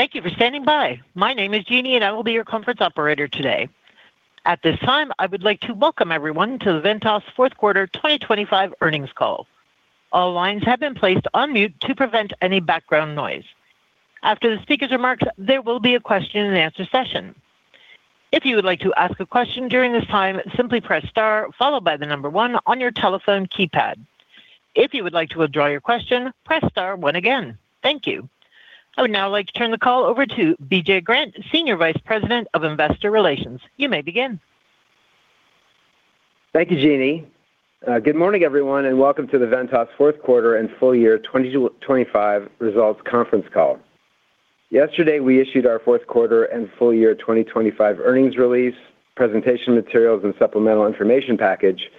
Thank you for standing by. My name is Jeannie, and I will be your conference operator today. At this time, I would like to welcome everyone to the Ventas Fourth Quarter 2025 Earnings Call. All lines have been placed on mute to prevent any background noise. After the speaker's remarks, there will be a question and answer session. If you would like to ask a question during this time, simply press star, followed by the number one on your telephone keypad. If you would like to withdraw your question, press star one again. Thank you. I would now like to turn the call over to BJ Grant, Senior Vice President of Investor Relations. You may begin. Thank you, Jeannie. Good morning, everyone, and welcome to the Ventas Fourth Quarter and Full Year 2025 Results Conference Call. Yesterday, we issued our fourth quarter and full year 2025 earnings release, presentation materials, and supplemental information package,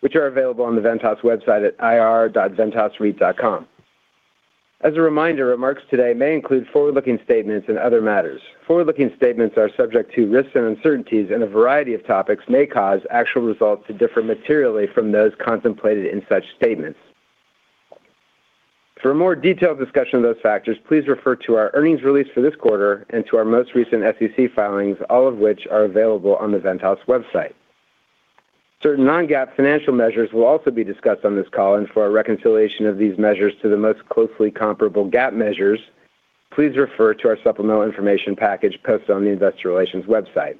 which are available on the Ventas website at ir.ventasreit.com. As a reminder, remarks today may include forward-looking statements and other matters. Forward-looking statements are subject to risks and uncertainties, and a variety of topics may cause actual results to differ materially from those contemplated in such statements. For a more detailed discussion of those factors, please refer to our earnings release for this quarter and to our most recent SEC filings, all of which are available on the Ventas website. Certain non-GAAP financial measures will also be discussed on this call, and for a reconciliation of these measures to the most closely comparable GAAP measures, please refer to our supplemental information package posted on the Investor Relations website.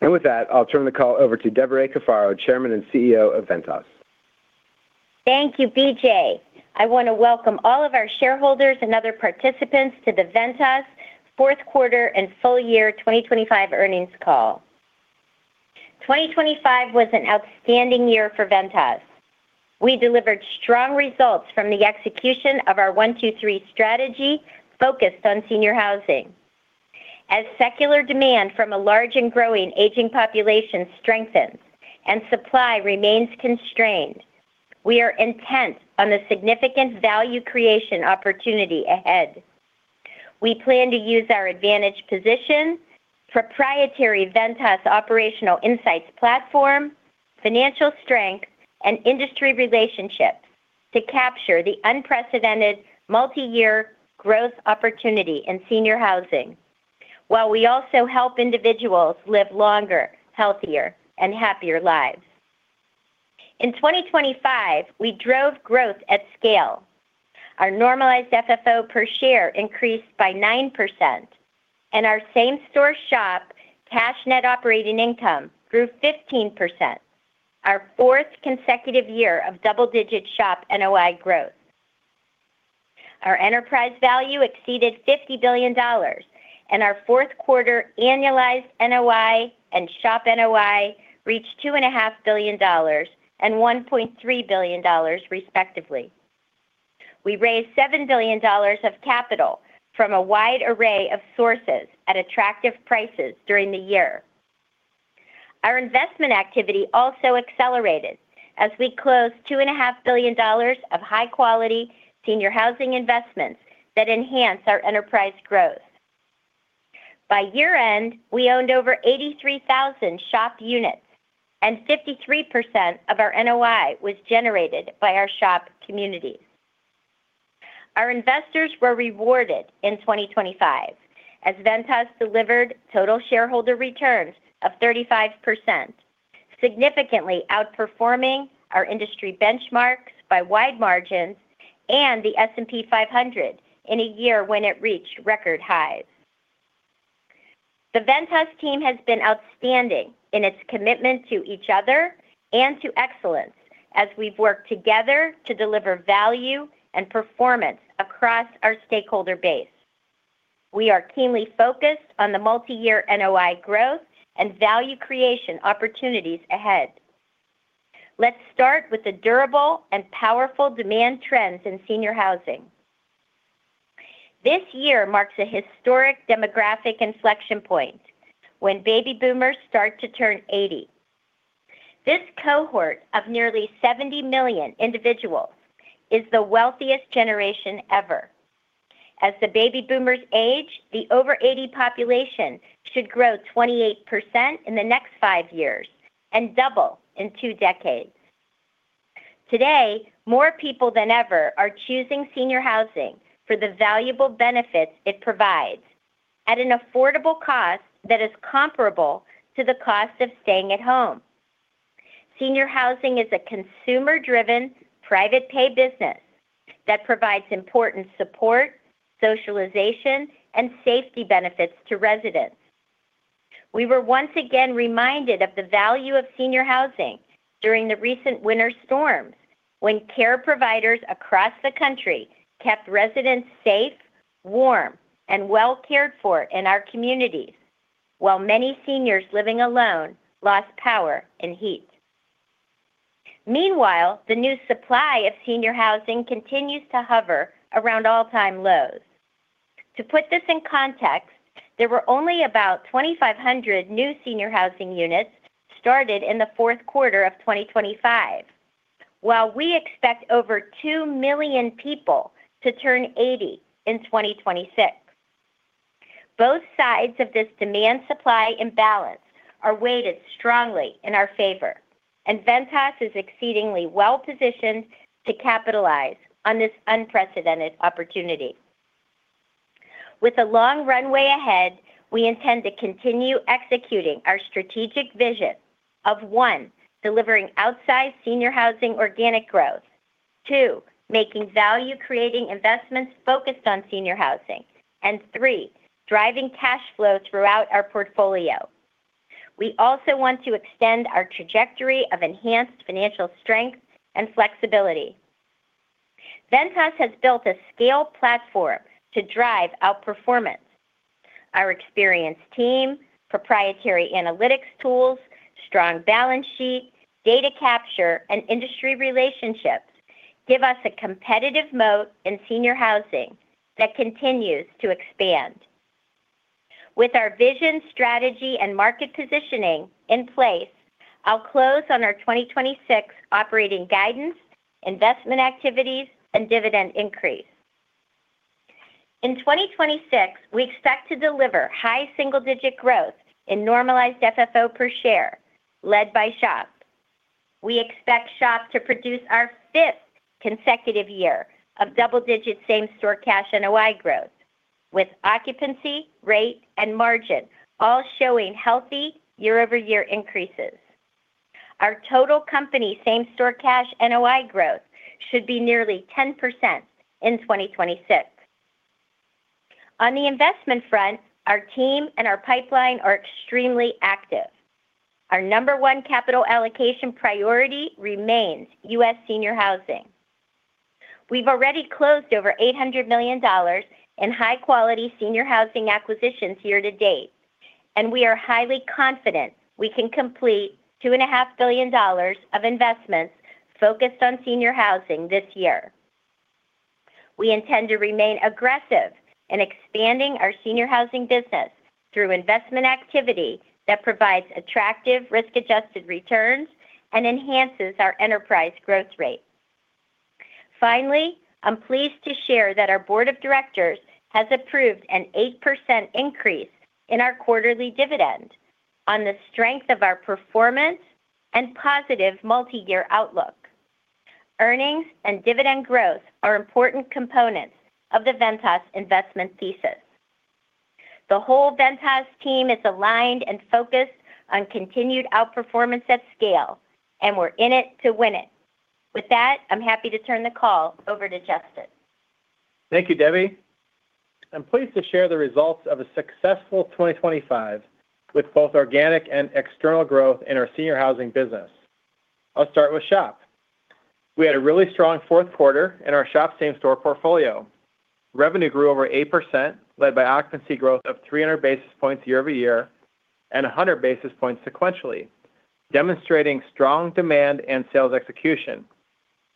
With that, I'll turn the call over to Debra A. Cafaro, Chairman and CEO of Ventas. Thank you, BJ. I want to welcome all of our shareholders and other participants to the Ventas Fourth Quarter and Full Year 2025 Earnings Call. 2025 was an outstanding year for Ventas. We delivered strong results from the execution of our 1, 2, 3 strategy focused on senior housing. As secular demand from a large and growing aging population strengthens and supply remains constrained, we are intent on the significant value creation opportunity ahead. We plan to use our advantage, position, proprietary Ventas Operational Insights Platform, financial strength, and industry relationships to capture the unprecedented multi-year growth opportunity in senior housing, while we also help individuals live longer, healthier, and happier lives. In 2025, we drove growth at scale. Our normalized FFO per share increased by 9%, and our same-store SHOP cash net operating income grew 15%, our fourth consecutive year of double-digit SHOP NOI growth. Our enterprise value exceeded $50 billion, and our fourth quarter annualized NOI and SHOP NOI reached $2.5 billion and $1.3 billion, respectively. We raised $7 billion of capital from a wide array of sources at attractive prices during the year. Our investment activity also accelerated as we closed $2.5 billion of high-quality senior housing investments that enhance our enterprise growth. By year-end, we owned over 83,000 SHOP units, and 53% of our NOI was generated by our SHOP communities. Our investors were rewarded in 2025 as Ventas delivered total shareholder returns of 35%, significantly outperforming our industry benchmarks by wide margins and the S&P 500 in a year when it reached record highs. The Ventas team has been outstanding in its commitment to each other and to excellence as we've worked together to deliver value and performance across our stakeholder base. We are keenly focused on the multi-year NOI growth and value creation opportunities ahead. Let's start with the durable and powerful demand trends in senior housing. This year marks a historic demographic inflection point when baby boomers start to turn 80. This cohort of nearly 70 million individuals is the wealthiest generation ever. As the baby boomers age, the over 80 population should grow 28% in the next 5 years and double in 2 decades. Today, more people than ever are choosing senior housing for the valuable benefits it provides at an affordable cost that is comparable to the cost of staying at home. Senior housing is a consumer-driven, private pay business that provides important support, socialization, and safety benefits to residents. We were once again reminded of the value of senior housing during the recent winter storms, when care providers across the country kept residents safe, warm, and well cared for in our communities, while many seniors living alone lost power and heat. Meanwhile, the new supply of senior housing continues to hover around all-time lows. To put this in context, there were only about 2,500 new senior housing units started in the fourth quarter of 2025, while we expect over 2 million people to turn 80 in 2026. Both sides of this demand-supply imbalance are weighted strongly in our favor... Ventas is exceedingly well positioned to capitalize on this unprecedented opportunity. With a long runway ahead, we intend to continue executing our strategic vision of, 1, delivering outsized senior housing organic growth. 2, making value-creating investments focused on senior housing. And 3, driving cash flow throughout our portfolio. We also want to extend our trajectory of enhanced financial strength and flexibility. Ventas has built a scale platform to drive outperformance. Our experienced team, proprietary analytics tools, strong balance sheet, data capture, and industry relationships give us a competitive moat in senior housing that continues to expand. With our vision, strategy, and market positioning in place, I'll close on our 2026 operating guidance, investment activities, and dividend increase. In 2026, we expect to deliver high single-digit growth in normalized FFO per share, led by SHOP. We expect SHOP to produce our fifth consecutive year of double-digit same-store cash NOI growth, with occupancy, rate, and margin all showing healthy year-over-year increases. Our total company same-store cash NOI growth should be nearly 10% in 2026. On the investment front, our team and our pipeline are extremely active. Our number one capital allocation priority remains U.S. senior housing. We've already closed over $800 million in high-quality senior housing acquisitions year to date, and we are highly confident we can complete $2.5 billion of investments focused on senior housing this year. We intend to remain aggressive in expanding our senior housing business through investment activity that provides attractive risk-adjusted returns and enhances our enterprise growth rate. Finally, I'm pleased to share that our board of directors has approved an 8% increase in our quarterly dividend on the strength of our performance and positive multiyear outlook. Earnings and dividend growth are important components of the Ventas investment thesis. The whole Ventas team is aligned and focused on continued outperformance at scale, and we're in it to win it. With that, I'm happy to turn the call over to Justin. Thank you, Debbie. I'm pleased to share the results of a successful 2025, with both organic and external growth in our senior housing business. I'll start with SHOP. We had a really strong fourth quarter in our SHOP same-store portfolio. Revenue grew over 8%, led by occupancy growth of 300 basis points year-over-year, and 100 basis points sequentially, demonstrating strong demand and sales execution.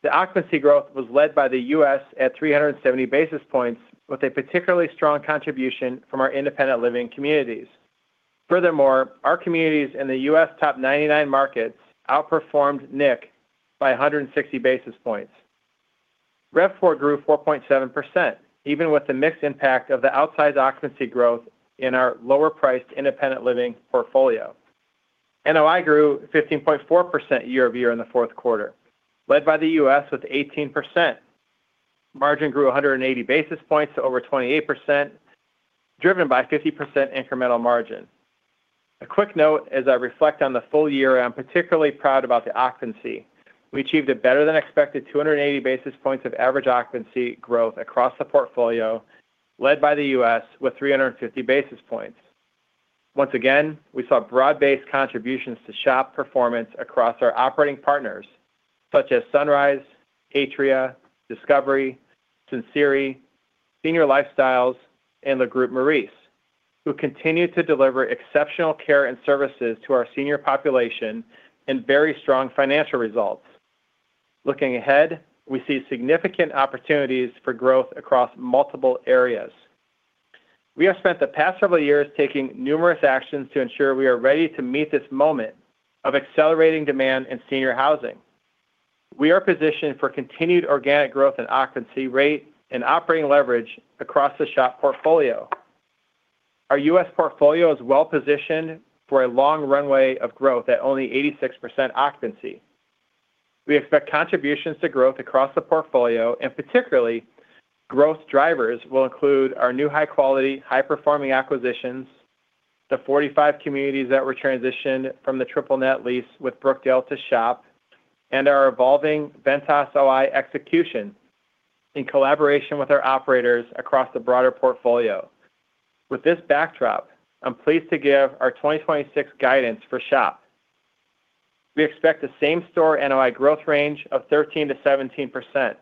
The occupancy growth was led by the U.S. at 370 basis points, with a particularly strong contribution from our independent living communities. Furthermore, our communities in the U.S. top 99 markets outperformed NIC by 160 basis points. RevPOR grew 4.7%, even with the mixed impact of the outsized occupancy growth in our lower-priced independent living portfolio. NOI grew 15.4% year-over-year in the fourth quarter, led by the U.S., with 18%. Margin grew 180 basis points to over 28%, driven by 50% incremental margin. A quick note, as I reflect on the full year, I'm particularly proud about the occupancy. We achieved a better-than-expected 280 basis points of average occupancy growth across the portfolio, led by the U.S., with 350 basis points. Once again, we saw broad-based contributions to SHOP performance across our operating partners, such as Sunrise, Atria, Discovery, Sinceri, Senior Lifestyle, and Le Groupe Maurice, who continue to deliver exceptional care and services to our senior population and very strong financial results. Looking ahead, we see significant opportunities for growth across multiple areas. We have spent the past several years taking numerous actions to ensure we are ready to meet this moment of accelerating demand in senior housing. We are positioned for continued organic growth in occupancy, rate, and operating leverage across the SHOP portfolio. Our U.S. portfolio is well positioned for a long runway of growth at only 86% occupancy. We expect contributions to growth across the portfolio, and particularly, growth drivers will include our new high-quality, high-performing acquisitions, the 45 communities that were transitioned from the triple-net lease with Brookdale to SHOP, and our evolving Ventas OI execution in collaboration with our operators across the broader portfolio. With this backdrop, I'm pleased to give our 2026 guidance for SHOP. We expect the same-store NOI growth range of 13%-17%,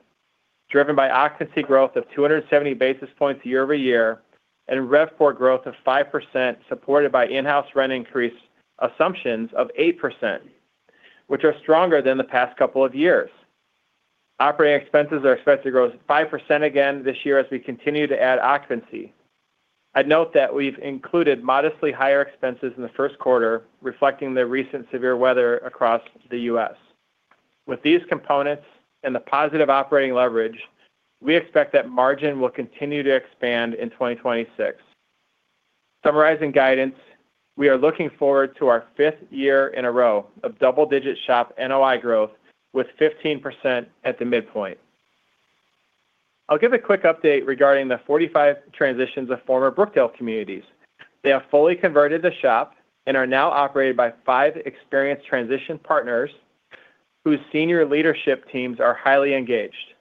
driven by occupancy growth of 270 basis points year-over-year, and RevPOR growth of 5%, supported by in-house rent increase assumptions of 8%, which are stronger than the past couple of years. Operating expenses are expected to grow 5% again this year as we continue to add occupancy. I'd note that we've included modestly higher expenses in the first quarter, reflecting the recent severe weather across the U.S. With these components and the positive operating leverage, we expect that margin will continue to expand in 2026. Summarizing guidance, we are looking forward to our fifth year in a row of double-digit SHOP NOI growth, with 15% at the midpoint. I'll give a quick update regarding the 45 transitions of former Brookdale communities. They have fully converted to SHOP and are now operated by five experienced transition partners, whose senior leadership teams are highly engaged.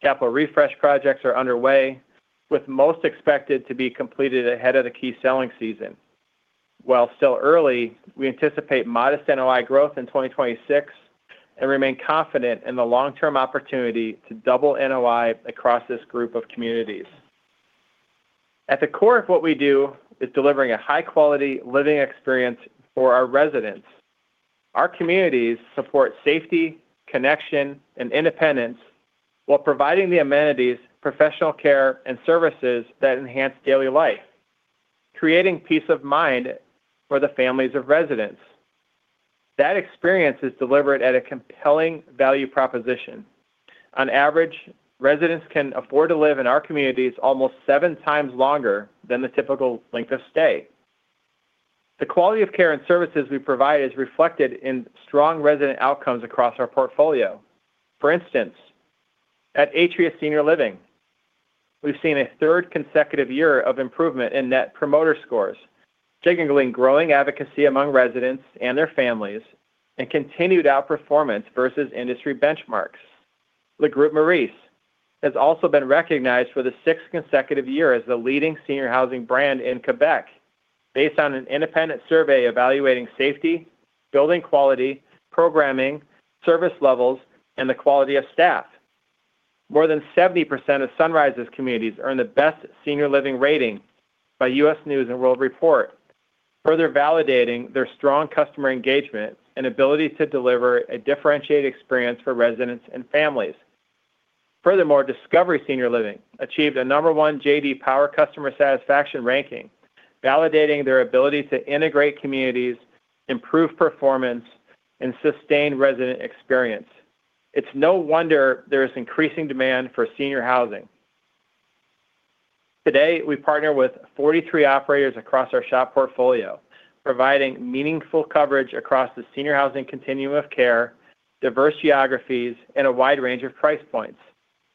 Capital refresh projects are underway, with most expected to be completed ahead of the key selling season. While still early, we anticipate modest NOI growth in 2026 and remain confident in the long-term opportunity to double NOI across this group of communities. At the core of what we do is delivering a high-quality living experience for our residents. Our communities support safety, connection, and independence while providing the amenities, professional care, and services that enhance daily life, creating peace of mind for the families of residents. That experience is delivered at a compelling value proposition. On average, residents can afford to live in our communities almost seven times longer than the typical length of stay. The quality of care and services we provide is reflected in strong resident outcomes across our portfolio. For instance, at Atria Senior Living, we've seen a third consecutive year of improvement in Net Promoter Scores, signaling growing advocacy among residents and their families and continued outperformance versus industry benchmarks. Le Groupe Maurice has also been recognized for the sixth consecutive year as the leading senior housing brand in Quebec, based on an independent survey evaluating safety, building quality, programming, service levels, and the quality of staff. More than 70% of Sunrise's communities earn the best senior living rating by U.S. News & World Report, further validating their strong customer engagement and ability to deliver a differentiated experience for residents and families. Furthermore, Discovery Senior Living achieved a number one J.D. Power customer satisfaction ranking, validating their ability to integrate communities, improve performance, and sustain resident experience. It's no wonder there is increasing demand for senior housing. Today, we partner with 43 operators across our SHOP portfolio, providing meaningful coverage across the senior housing continuum of care, diverse geographies, and a wide range of price points.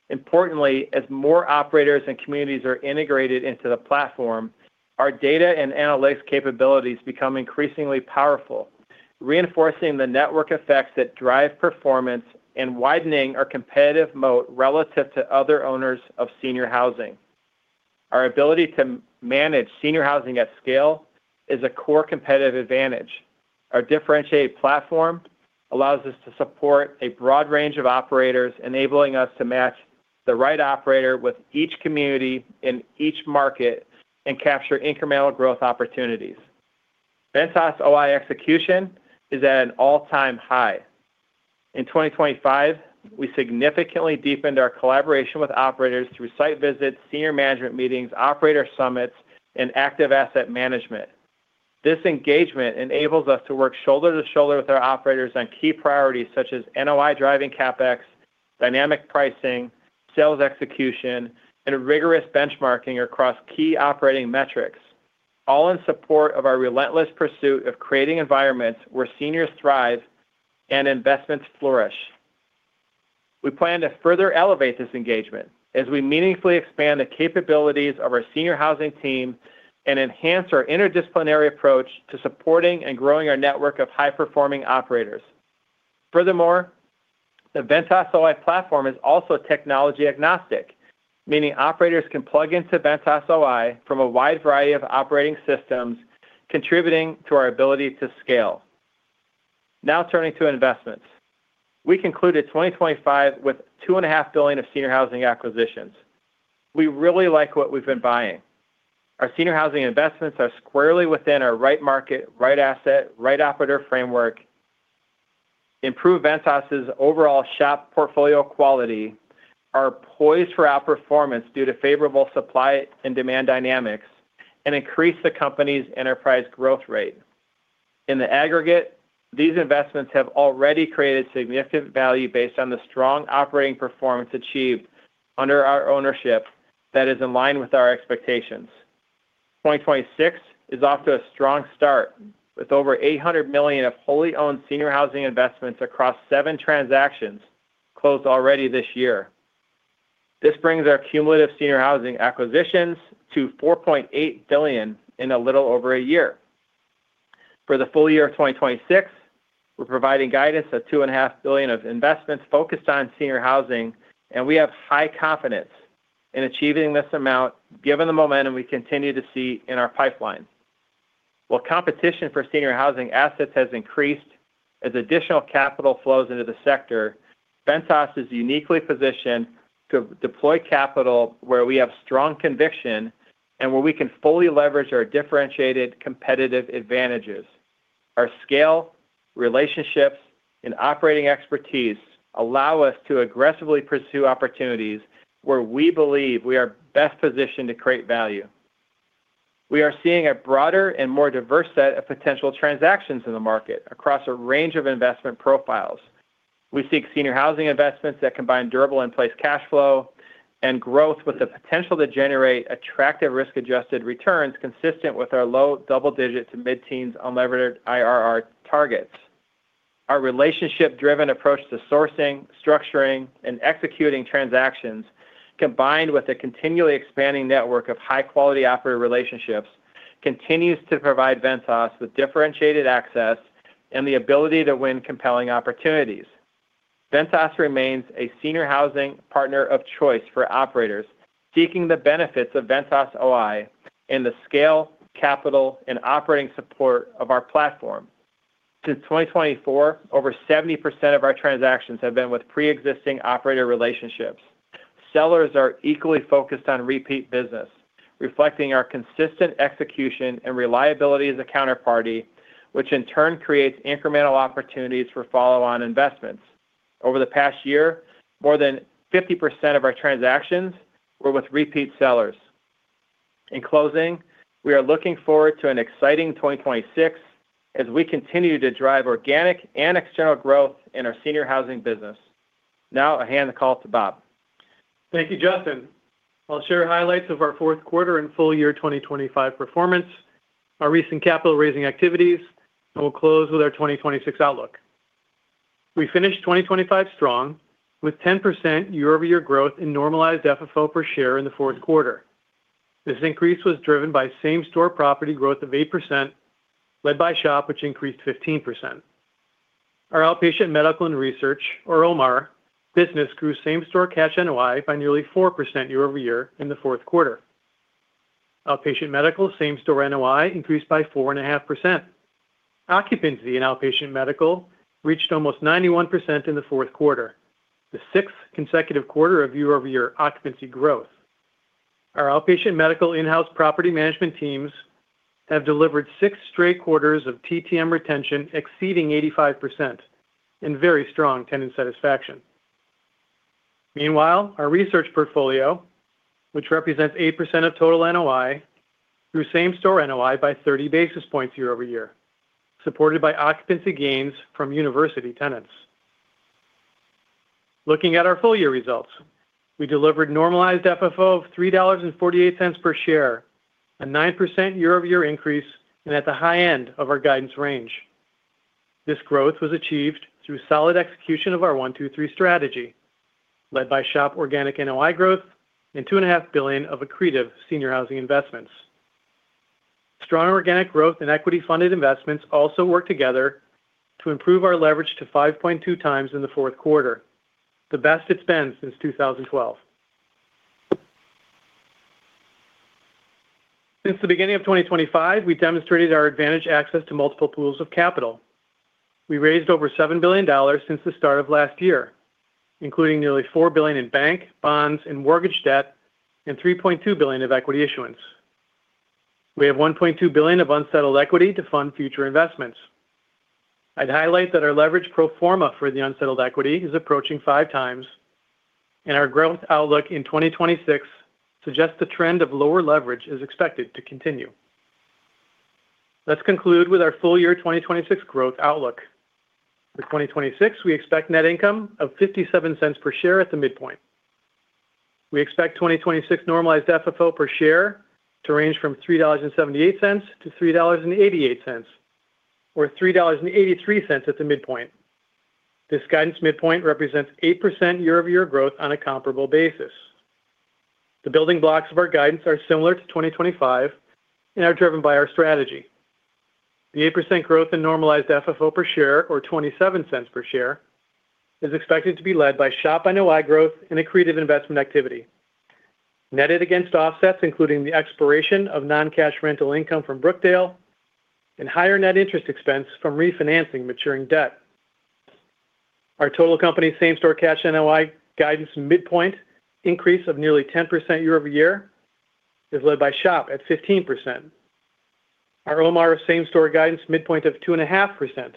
Importantly, as more operators and communities are integrated into the platform, our data and analytics capabilities become increasingly powerful, reinforcing the network effects that drive performance and widening our competitive moat relative to other owners of senior housing. Our ability to manage senior housing at scale is a core competitive advantage. Our differentiated platform allows us to support a broad range of operators, enabling us to match the right operator with each community in each market and capture incremental growth opportunities. Ventas' OI execution is at an all-time high. In 2025, we significantly deepened our collaboration with operators through site visits, senior management meetings, operator summits, and active asset management. This engagement enables us to work shoulder to shoulder with our operators on key priorities such as NOI-driving CapEx, dynamic pricing, sales execution, and rigorous benchmarking across key operating metrics, all in support of our relentless pursuit of creating environments where seniors thrive and investments flourish. We plan to further elevate this engagement as we meaningfully expand the capabilities of our senior housing team and enhance our interdisciplinary approach to supporting and growing our network of high-performing operators. Furthermore, the Ventas OI platform is also technology-agnostic, meaning operators can plug into Ventas OI from a wide variety of operating systems, contributing to our ability to scale. Now, turning to investments. We concluded 2025 with $2.5 billion of senior housing acquisitions. We really like what we've been buying. Our senior housing investments are squarely within our right market, right asset, right operator framework, improve Ventas' overall SHOP portfolio quality, are poised for outperformance due to favorable supply and demand dynamics, and increase the company's enterprise growth rate. In the aggregate, these investments have already created significant value based on the strong operating performance achieved under our ownership that is in line with our expectations. 2026 is off to a strong start, with over $800 million of wholly owned senior housing investments across 7 transactions closed already this year. This brings our cumulative senior housing acquisitions to $4.8 billion in a little over a year. For the full year of 2026, we're providing guidance of $2.5 billion of investments focused on senior housing, and we have high confidence in achieving this amount, given the momentum we continue to see in our pipeline. While competition for senior housing assets has increased as additional capital flows into the sector, Ventas is uniquely positioned to deploy capital where we have strong conviction and where we can fully leverage our differentiated competitive advantages. Our scale, relationships, and operating expertise allow us to aggressively pursue opportunities where we believe we are best positioned to create value. We are seeing a broader and more diverse set of potential transactions in the market across a range of investment profiles.... We seek senior housing investments that combine durable in-place cash flow and growth with the potential to generate attractive risk-adjusted returns, consistent with our low double digit to mid-teens unlevered IRR targets. Our relationship-driven approach to sourcing, structuring, and executing transactions, combined with a continually expanding network of high-quality operator relationships, continues to provide Ventas with differentiated access and the ability to win compelling opportunities. Ventas remains a senior housing partner of choice for operators seeking the benefits of Ventas OI and the scale, capital, and operating support of our platform. Since 2024, over 70% of our transactions have been with pre-existing operator relationships. Sellers are equally focused on repeat business, reflecting our consistent execution and reliability as a counterparty, which in turn creates incremental opportunities for follow-on investments. Over the past year, more than 50% of our transactions were with repeat sellers. In closing, we are looking forward to an exciting 2026 as we continue to drive organic and external growth in our senior housing business. Now I hand the call to Bob. Thank you, Justin. I'll share highlights of our fourth quarter and full year 2025 performance, our recent capital raising activities, and we'll close with our 2026 outlook. We finished 2025 strong, with 10% year-over-year growth in normalized FFO per share in the fourth quarter. This increase was driven by same-store property growth of 8%, led by SHOP, which increased 15%. Our Outpatient Medical and Research, or OMR, business grew same-store cash NOI by nearly 4% year-over-year in the fourth quarter. Outpatient medical same-store NOI increased by 4.5%. Occupancy in outpatient medical reached almost 91% in the fourth quarter, the 6th consecutive quarter of year-over-year occupancy growth. Our outpatient medical in-house property management teams have delivered 6 straight quarters of TTM retention exceeding 85% and very strong tenant satisfaction. Meanwhile, our research portfolio, which represents 8% of total NOI, grew same-store NOI by 30 basis points year-over-year, supported by occupancy gains from university tenants. Looking at our full year results, we delivered normalized FFO of $3.48 per share, a 9% year-over-year increase, and at the high end of our guidance range. This growth was achieved through solid execution of our one, two, three strategy, led by SHOP organic NOI growth and $2.5 billion of accretive senior housing investments. Strong organic growth and equity-funded investments also worked together to improve our leverage to 5.2x in the fourth quarter, the best it's been since 2012. Since the beginning of 2025, we've demonstrated our advantaged access to multiple pools of capital. We raised over $7 billion since the start of last year, including nearly $4 billion in bank, bonds, and mortgage debt, and $3.2 billion of equity issuance. We have $1.2 billion of unsettled equity to fund future investments. I'd highlight that our leverage pro forma for the unsettled equity is approaching 5x, and our growth outlook in 2026 suggests the trend of lower leverage is expected to continue. Let's conclude with our full-year 2026 growth outlook. For 2026, we expect net income of $0.57 per share at the midpoint. We expect 2026 normalized FFO per share to range from $3.78 to $3.88, or $3.83 at the midpoint. This guidance midpoint represents 8% year-over-year growth on a comparable basis. The building blocks of our guidance are similar to 2025 and are driven by our strategy. The 8% growth in normalized FFO per share, or $0.27 per share, is expected to be led by SHOP by NOI growth and accretive investment activity, netted against offsets, including the expiration of non-cash rental income from Brookdale and higher net interest expense from refinancing maturing debt. Our total company same-store cash NOI guidance midpoint increase of nearly 10% year-over-year is led by SHOP at 15%. Our OMR same-store guidance midpoint of 2.5%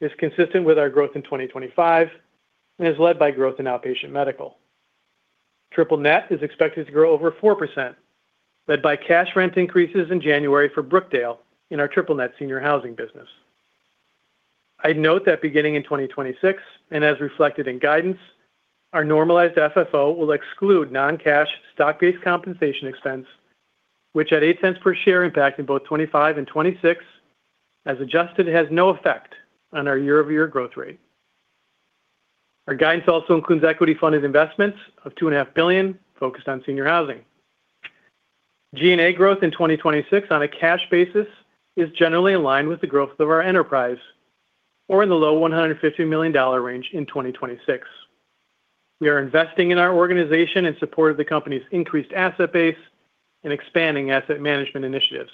is consistent with our growth in 2025 and is led by growth in outpatient medical. Triple-net is expected to grow over 4%, led by cash rent increases in January for Brookdale in our triple-net senior housing business. I'd note that beginning in 2026, and as reflected in guidance, our normalized FFO will exclude non-cash stock-based compensation expense, which at $0.08 per share, impacted both 2025 and 2026, as adjusted, has no effect on our year-over-year growth rate. Our guidance also includes equity-funded investments of $2.5 billion, focused on senior housing. G&A growth in 2026 on a cash basis is generally aligned with the growth of our enterprise, or in the low $150 million range in 2026. We are investing in our organization in support of the company's increased asset base and expanding asset management initiatives.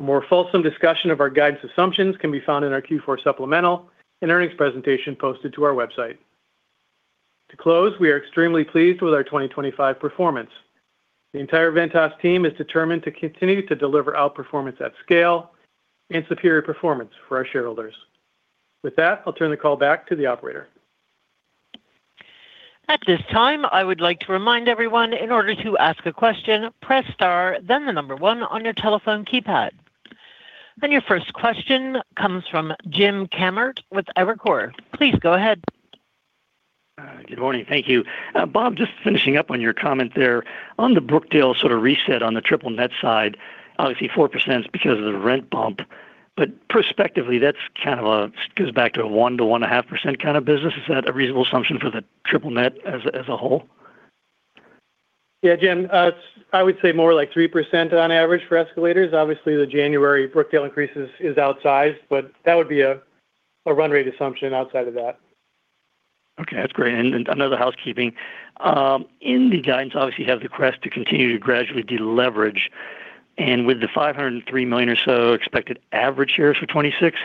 A more fulsome discussion of our guidance assumptions can be found in our Q4 supplemental and earnings presentation posted to our website. To close, we are extremely pleased with our 2025 performance. The entire Ventas team is determined to continue to deliver outperformance at scale and superior performance for our shareholders. With that, I'll turn the call back to the operator. At this time, I would like to remind everyone, in order to ask a question, press star, then the number one on your telephone keypad. Your first question comes from Jim Kammert with Evercore. Please go ahead. Good morning. Thank you. Bob, just finishing up on your comment there. On the Brookdale sort of reset on the triple net side, obviously, 4% is because of the rent bump, but prospectively, that's kind of goes back to a 1%-1.5% kind of business. Is that a reasonable assumption for the triple net as a whole? Yeah, Jim, I would say more like 3% on average for escalators. Obviously, the January Brookdale increases is outsized, but that would be a run rate assumption outside of that. Okay, that's great. And another housekeeping. In the guidance, obviously, you have the quest to continue to gradually deleverage. And with the 503 million or so expected average shares for 2026,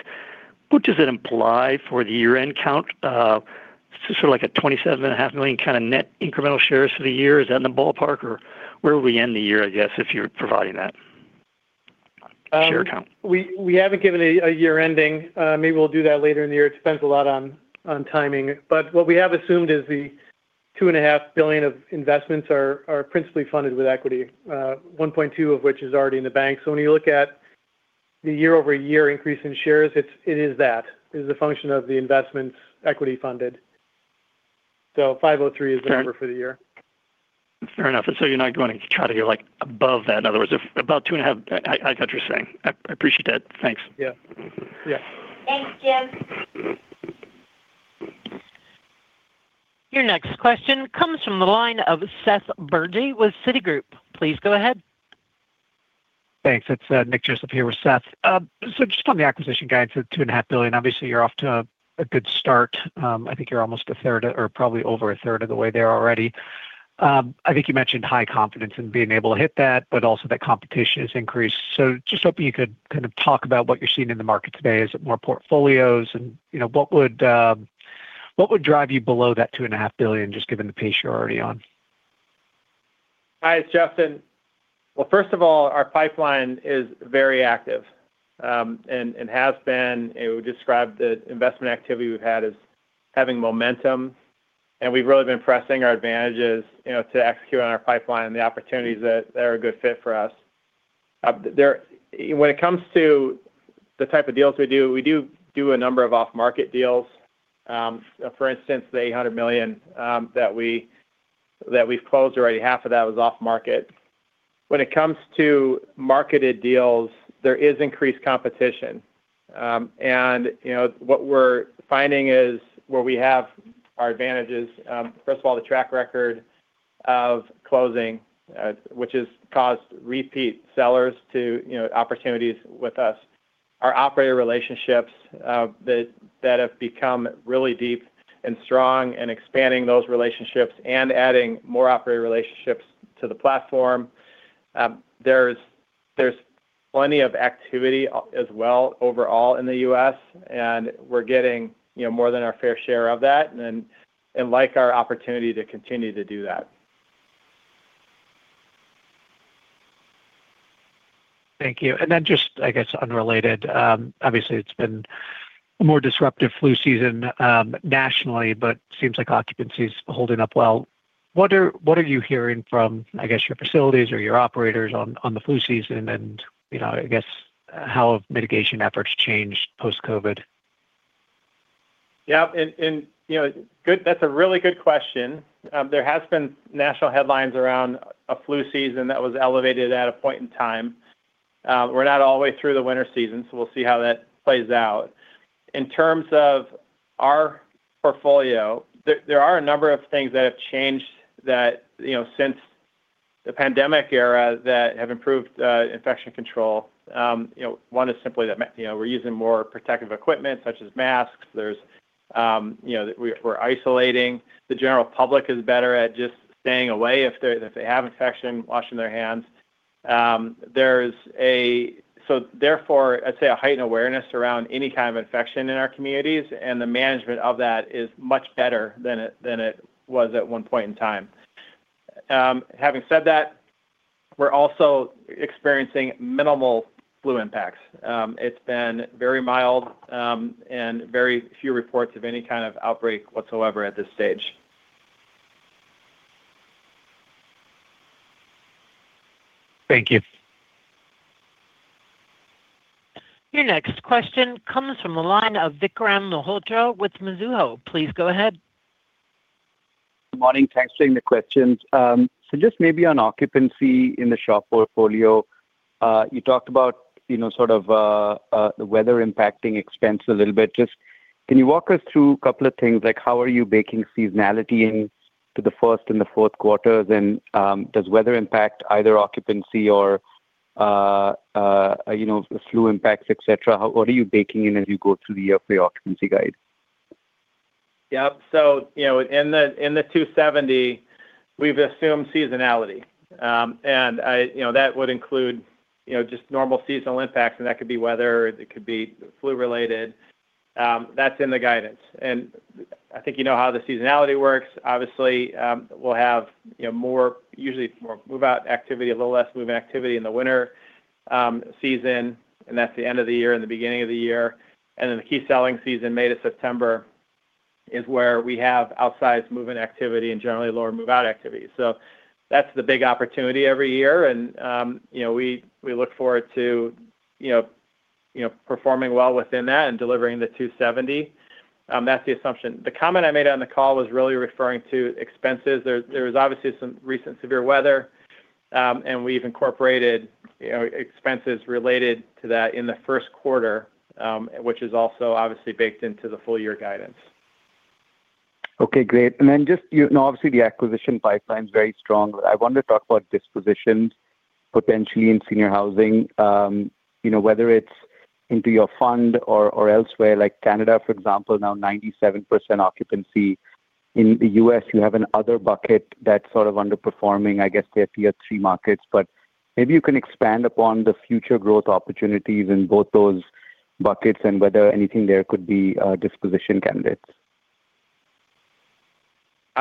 what does it imply for the year-end count? Sort of like a 27.5 million kind of net incremental shares for the year. Is that in the ballpark, or where will we end the year, I guess, if you're providing that share count? We haven't given a year-ending. Maybe we'll do that later in the year. It depends a lot on timing. But what we have assumed is the $2.5 billion of investments are principally funded with equity, $1.2 of which is already in the bank. So when you look at the year-over-year increase in shares, it's it is that. It is a function of the investment equity funded. So 503 is the number for the year. Fair enough. So you're not going to try to go, like, above that. In other words, if about 2.5. I got what you're saying. I appreciate that. Thanks. Yeah. Yeah. Thanks, Jim. Your next question comes from the line of Seth Bergey with Citigroup. Please go ahead. Thanks. It's Nick Joseph here with Seth. So just on the acquisition guidance of $2.5 billion, obviously, you're off to a good start. I think you're almost a third or probably over a third of the way there already. I think you mentioned high confidence in being able to hit that, but also that competition has increased. So just hoping you could kind of talk about what you're seeing in the market today. Is it more portfolios? And, you know, what would drive you below that $2.5 billion, just given the pace you're already on? Hi, it's Justin. Well, first of all, our pipeline is very active, and has been. I would describe the investment activity we've had as having momentum, and we've really been pressing our advantages, you know, to execute on our pipeline and the opportunities that are a good fit for us. When it comes to the type of deals we do, we do do a number of off-market deals. For instance, the $800 million that we've closed already, half of that was off market. When it comes to marketed deals, there is increased competition. And, you know, what we're finding is, where we have our advantages, first of all, the track record of closing, which has caused repeat sellers to, you know, opportunities with us. Our operator relationships that have become really deep and strong and expanding those relationships and adding more operator relationships to the platform. There's plenty of activity as well overall in the U.S., and we're getting, you know, more than our fair share of that, and like our opportunity to continue to do that. Thank you. And then just, I guess, unrelated. Obviously, it's been a more disruptive flu season nationally, but seems like occupancy is holding up well. What are you hearing from, I guess, your facilities or your operators on the flu season? And, you know, I guess, how have mitigation efforts changed post-COVID? Yeah, and you know, good. That's a really good question. There has been national headlines around a flu season that was elevated at a point in time. We're not all the way through the winter season, so we'll see how that plays out. In terms of our portfolio, there are a number of things that have changed that, you know, since the pandemic era, that have improved infection control. You know, one is simply that, you know, we're using more protective equipment, such as masks. There's, you know, we're isolating. The general public is better at just staying away if they have infection, washing their hands. There's a... So therefore, I'd say a heightened awareness around any kind of infection in our communities, and the management of that is much better than it was at one point in time. Having said that, we're also experiencing minimal flu impacts. It's been very mild, and very few reports of any kind of outbreak whatsoever at this stage. Thank you. Your next question comes from the line of Vikram Malhotra with Mizuho. Please go ahead. Good morning. Thanks for taking the questions. So just maybe on occupancy in the SHOP portfolio, you talked about, you know, sort of, the weather impacting expense a little bit. Just, can you walk us through a couple of things, like, how are you baking seasonality into the first and the fourth quarters? And, does weather impact either occupancy or, you know, flu impacts, et cetera? What are you baking in as you go through the yearly occupancy guide? Yep. So, you know, in the $2.70, we've assumed seasonality. And I, you know, that would include, you know, just normal seasonal impacts, and that could be weather, it could be flu-related. That's in the guidance. I think you know how the seasonality works. Obviously, we'll have, you know, more, usually more move-out activity, a little less move-in activity in the winter season, and that's the end of the year and the beginning of the year. Then the key selling season, May to September, is where we have outsized move-in activity and generally lower move-out activity. So that's the big opportunity every year, and, you know, we, we look forward to, you know, you know, performing well within that and delivering the $2.70. That's the assumption. The comment I made on the call was really referring to expenses. There was obviously some recent severe weather, and we've incorporated, you know, expenses related to that in the first quarter, which is also obviously baked into the full year guidance. Okay, great. And then just, you know, obviously, the acquisition pipeline is very strong. I want to talk about dispositions potentially in senior housing, you know, whether it's into your fund or, or elsewhere, like Canada, for example, now 97% occupancy. In the U.S., you have another bucket that's sort of underperforming, I guess, the tier three markets. But maybe you can expand upon the future growth opportunities in both those buckets and whether anything there could be disposition candidates.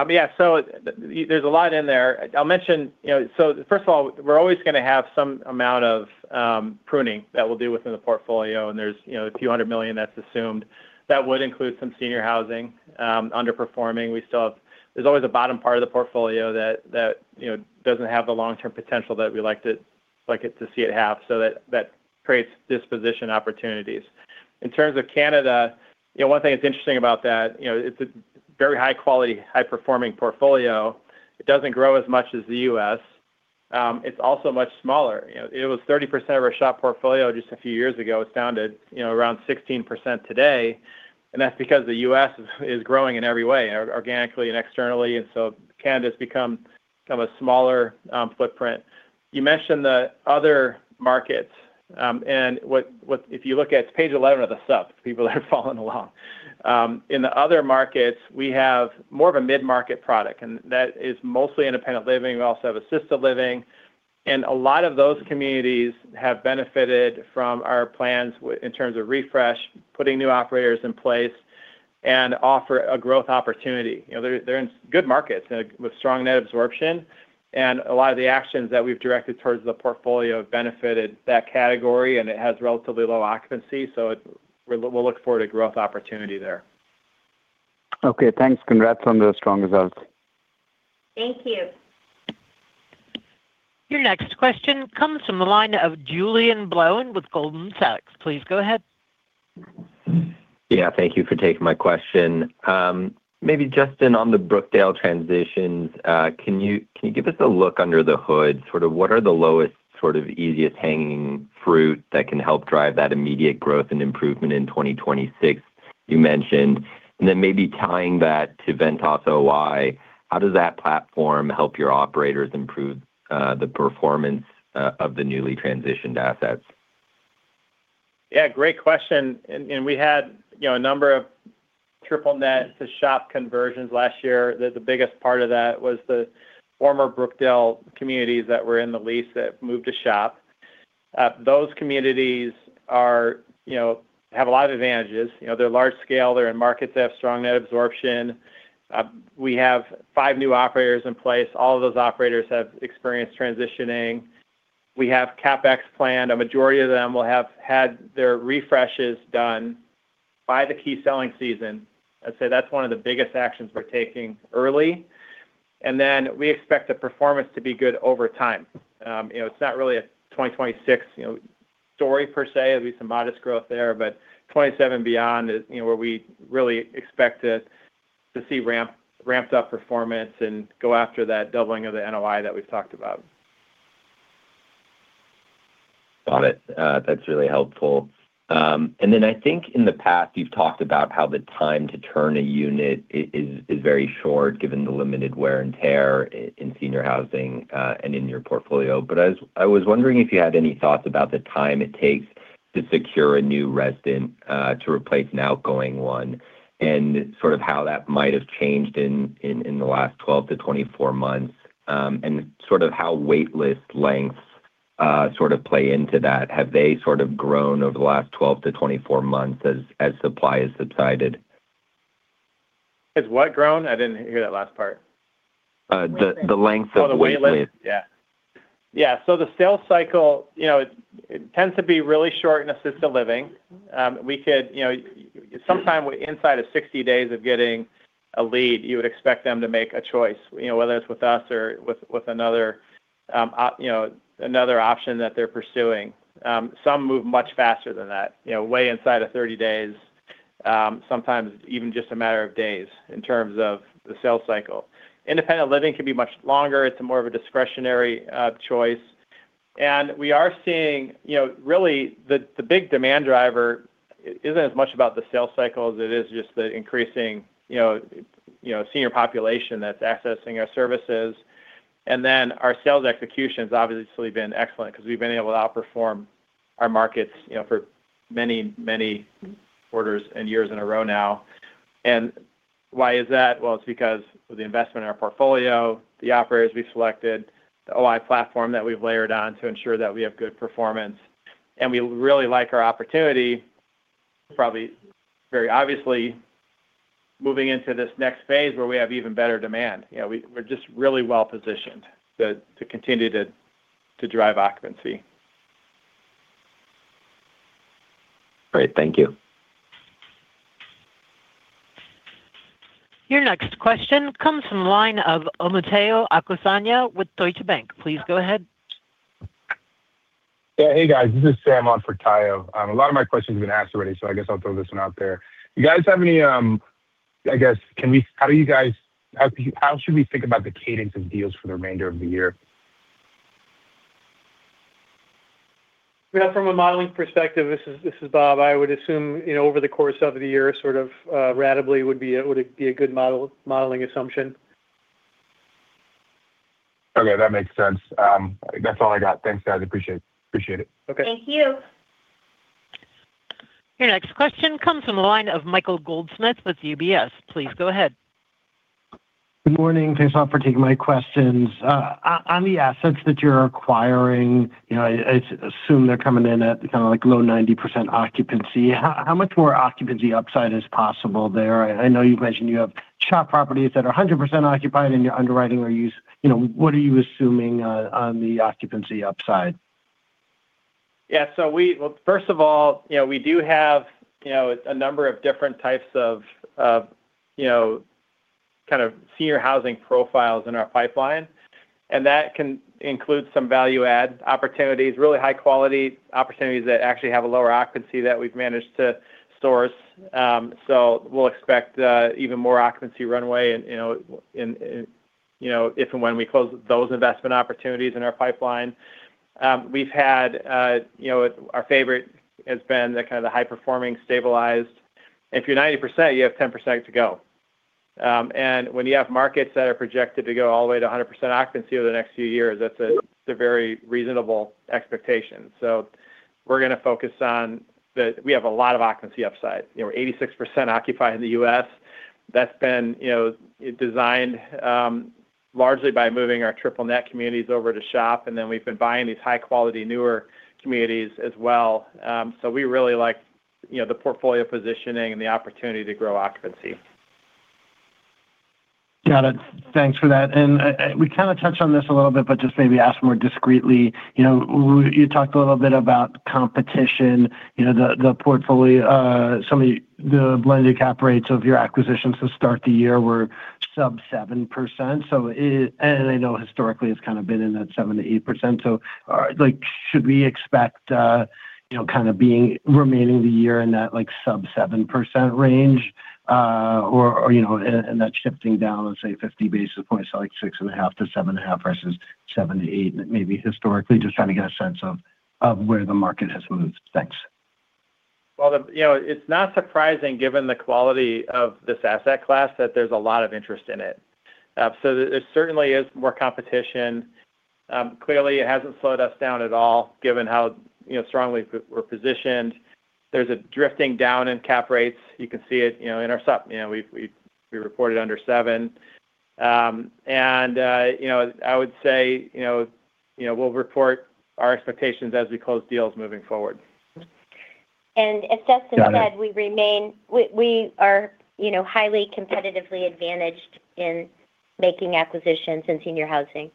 Yeah. So there's a lot in there. I'll mention, you know. So first of all, we're always gonna have some amount of pruning that we'll do within the portfolio, and there's, you know, a few hundred million that's assumed. That would include some senior housing underperforming. We still have. There's always a bottom part of the portfolio that, you know, doesn't have the long-term potential that we like it to see it have, so that creates disposition opportunities. In terms of Canada, you know, one thing that's interesting about that, you know, it's a very high quality, high-performing portfolio. It doesn't grow as much as the U.S. It's also much smaller. You know, it was 30% of our SHOP portfolio just a few years ago. It's down to, you know, around 16% today, and that's because the U.S. is growing in every way, organically and externally, and so Canada has become a smaller footprint. You mentioned the other markets, and if you look at page 11 of the sup, people that are following along. In the other markets, we have more of a mid-market product, and that is mostly independent living. We also have assisted living, and a lot of those communities have benefited from our plans in terms of refresh, putting new operators in place, and offer a growth opportunity. You know, they're in good markets with strong net absorption, and a lot of the actions that we've directed towards the portfolio have benefited that category, and it has relatively low occupancy, so we'll look forward to growth opportunity there. Okay, thanks. Congrats on the strong results. Thank you. Your next question comes from the line of Julien Blouin with Goldman Sachs. Please go ahead. Yeah, thank you for taking my question. Maybe Justin, on the Brookdale transitions, can you give us a look under the hood, sort of what are the lowest, sort of easiest hanging fruit that can help drive that immediate growth and improvement in 2026 you mentioned? And then maybe tying that to Ventas OI, how does that platform help your operators improve the performance of the newly transitioned assets? Yeah, great question. And we had, you know, a number of triple-net to SHOP conversions last year. The biggest part of that was the former Brookdale communities that were in the lease that moved to SHOP. Those communities are, you know, have a lot of advantages. You know, they're large scale, they're in markets that have strong net absorption. We have five new operators in place. All of those operators have experienced transitioning. We have CapEx planned. A majority of them will have had their refreshes done by the key selling season. I'd say that's one of the biggest actions we're taking early, and then we expect the performance to be good over time. You know, it's not really a 2026, you know, story per se. There'll be some modest growth there, but 2027 beyond is, you know, where we really expect to see ramped up performance and go after that doubling of the NOI that we've talked about. Got it. That's really helpful. And then I think in the past, you've talked about how the time to turn a unit is very short, given the limited wear and tear in senior housing and in your portfolio. But I was wondering if you had any thoughts about the time it takes to secure a new resident to replace an outgoing one, and sort of how that might have changed in the last 12-24 months, and sort of how wait list lengths sort of play into that. Have they sort of grown over the last 12-24 months as supply has subsided? Has what grown? I didn't hear that last part. The length of wait list. Oh, the wait list. Yeah. Yeah, so the sales cycle, you know, it tends to be really short in Assisted Living. We could, you know, sometime inside of 60 days of getting a lead, you would expect them to make a choice, you know, whether it's with us or with another option that they're pursuing. Some move much faster than that, you know, way inside of 30 days, sometimes even just a matter of days in terms of the sales cycle. Independent Living can be much longer. It's more of a discretionary choice. And we are seeing, you know, really, the big demand driver isn't as much about the sales cycle as it is just the increasing, you know, senior population that's accessing our services. And then our sales execution has obviously been excellent because we've been able to outperform our markets, you know, for many, many quarters and years in a row now. And why is that? Well, it's because of the investment in our portfolio, the operators we selected, the OI platform that we've layered on to ensure that we have good performance. And we really like our opportunity, probably very obviously... moving into this next phase where we have even better demand. You know, we're just really well positioned to continue to drive occupancy. Great. Thank you. Your next question comes from the line of Omotayo Okusanya with Deutsche Bank. Please go ahead. Yeah. Hey, guys, this is Sam on for Tayo. A lot of my questions have been asked already, so I guess I'll throw this one out there. You guys have any—I guess, can we—how do you guys—how, how should we think about the cadence of deals for the remainder of the year? Well, from a modeling perspective, this is, this is Bob, I would assume, you know, over the course of the year, sort of, ratably would be a, would be a good modeling assumption. Okay, that makes sense. That's all I got. Thanks, guys. Appreciate, appreciate it. Okay. Thank you. Your next question comes from the line of Michael Goldsmith with UBS. Please go ahead. Good morning. Thanks a lot for taking my questions. On the assets that you're acquiring, you know, I assume they're coming in at kind of like low 90% occupancy. How much more occupancy upside is possible there? I know you've mentioned you have SHOP properties that are 100% occupied in your underwriting or use. You know, what are you assuming on the occupancy upside? Yeah, so, well, first of all, you know, we do have, you know, a number of different types of you know kind of senior housing profiles in our pipeline, and that can include some value add opportunities, really high quality opportunities that actually have a lower occupancy that we've managed to source. So we'll expect you know even more occupancy runway, and, you know, and you know if and when we close those investment opportunities in our pipeline. We've had you know our favorite has been the kind of high-performing, stabilized. If you're 90%, you have 10% to go. And when you have markets that are projected to go all the way to 100% occupancy over the next few years, that's a very reasonable expectation. So we're gonna focus on the we have a lot of occupancy upside. You know, we're 86% occupied in the U.S. That's been, you know, designed largely by moving our triple-net communities over to SHOP, and then we've been buying these high quality, newer communities as well. So we really like, you know, the portfolio positioning and the opportunity to grow occupancy. Got it. Thanks for that. And, we kind of touched on this a little bit, but just maybe ask more discreetly. You know, you talked a little bit about competition, you know, the, the portfolio, some of the, the blended cap rates of your acquisitions to start the year were sub-7%. So, and I know historically, it's kind of been in that 7%-8%. So, like, should we expect, you know, kind of being remaining the year in that, like, sub-7% range, or, or, you know, and that shifting down, let's say, 50 basis points, so like 6.5-7.5 versus 7-8, maybe historically, just trying to get a sense of, of where the market has moved. Thanks. Well, you know, it's not surprising, given the quality of this asset class, that there's a lot of interest in it. So there certainly is more competition. Clearly, it hasn't slowed us down at all, given how, you know, strongly we're positioned. There's a drifting down in cap rates. You can see it, you know, in our sup-- you know, we've reported under 7. You know, I would say, you know, we'll report our expectations as we close deals moving forward. As Seth said, we are, you know, highly competitively advantaged in making acquisitions in senior housing.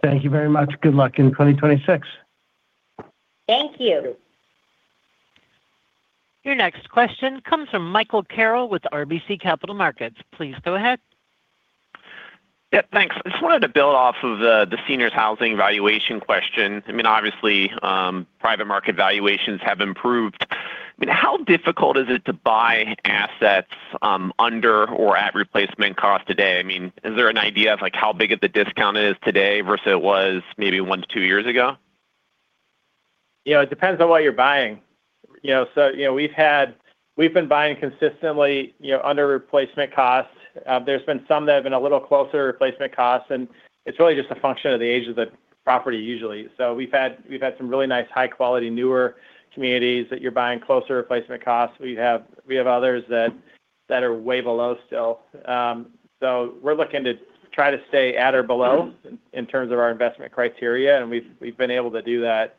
Thank you very much. Good luck in 2026. Thank you. Your next question comes from Michael Carroll with RBC Capital Markets. Please go ahead. Yeah, thanks. I just wanted to build off of the seniors housing valuation question. I mean, obviously, private market valuations have improved. I mean, how difficult is it to buy assets under or at replacement cost today? I mean, is there an idea of, like, how big of the discount is today versus it was maybe 1-2 years ago? You know, it depends on what you're buying. You know, so, you know, we've had—we've been buying consistently, you know, under replacement costs. There's been some that have been a little closer to replacement costs, and it's really just a function of the age of the property, usually. So we've had, we've had some really nice, high quality, newer communities that you're buying closer replacement costs. We have, we have others that, that are way below still. So we're looking to try to stay at or below in terms of our investment criteria, and we've, we've been able to do that,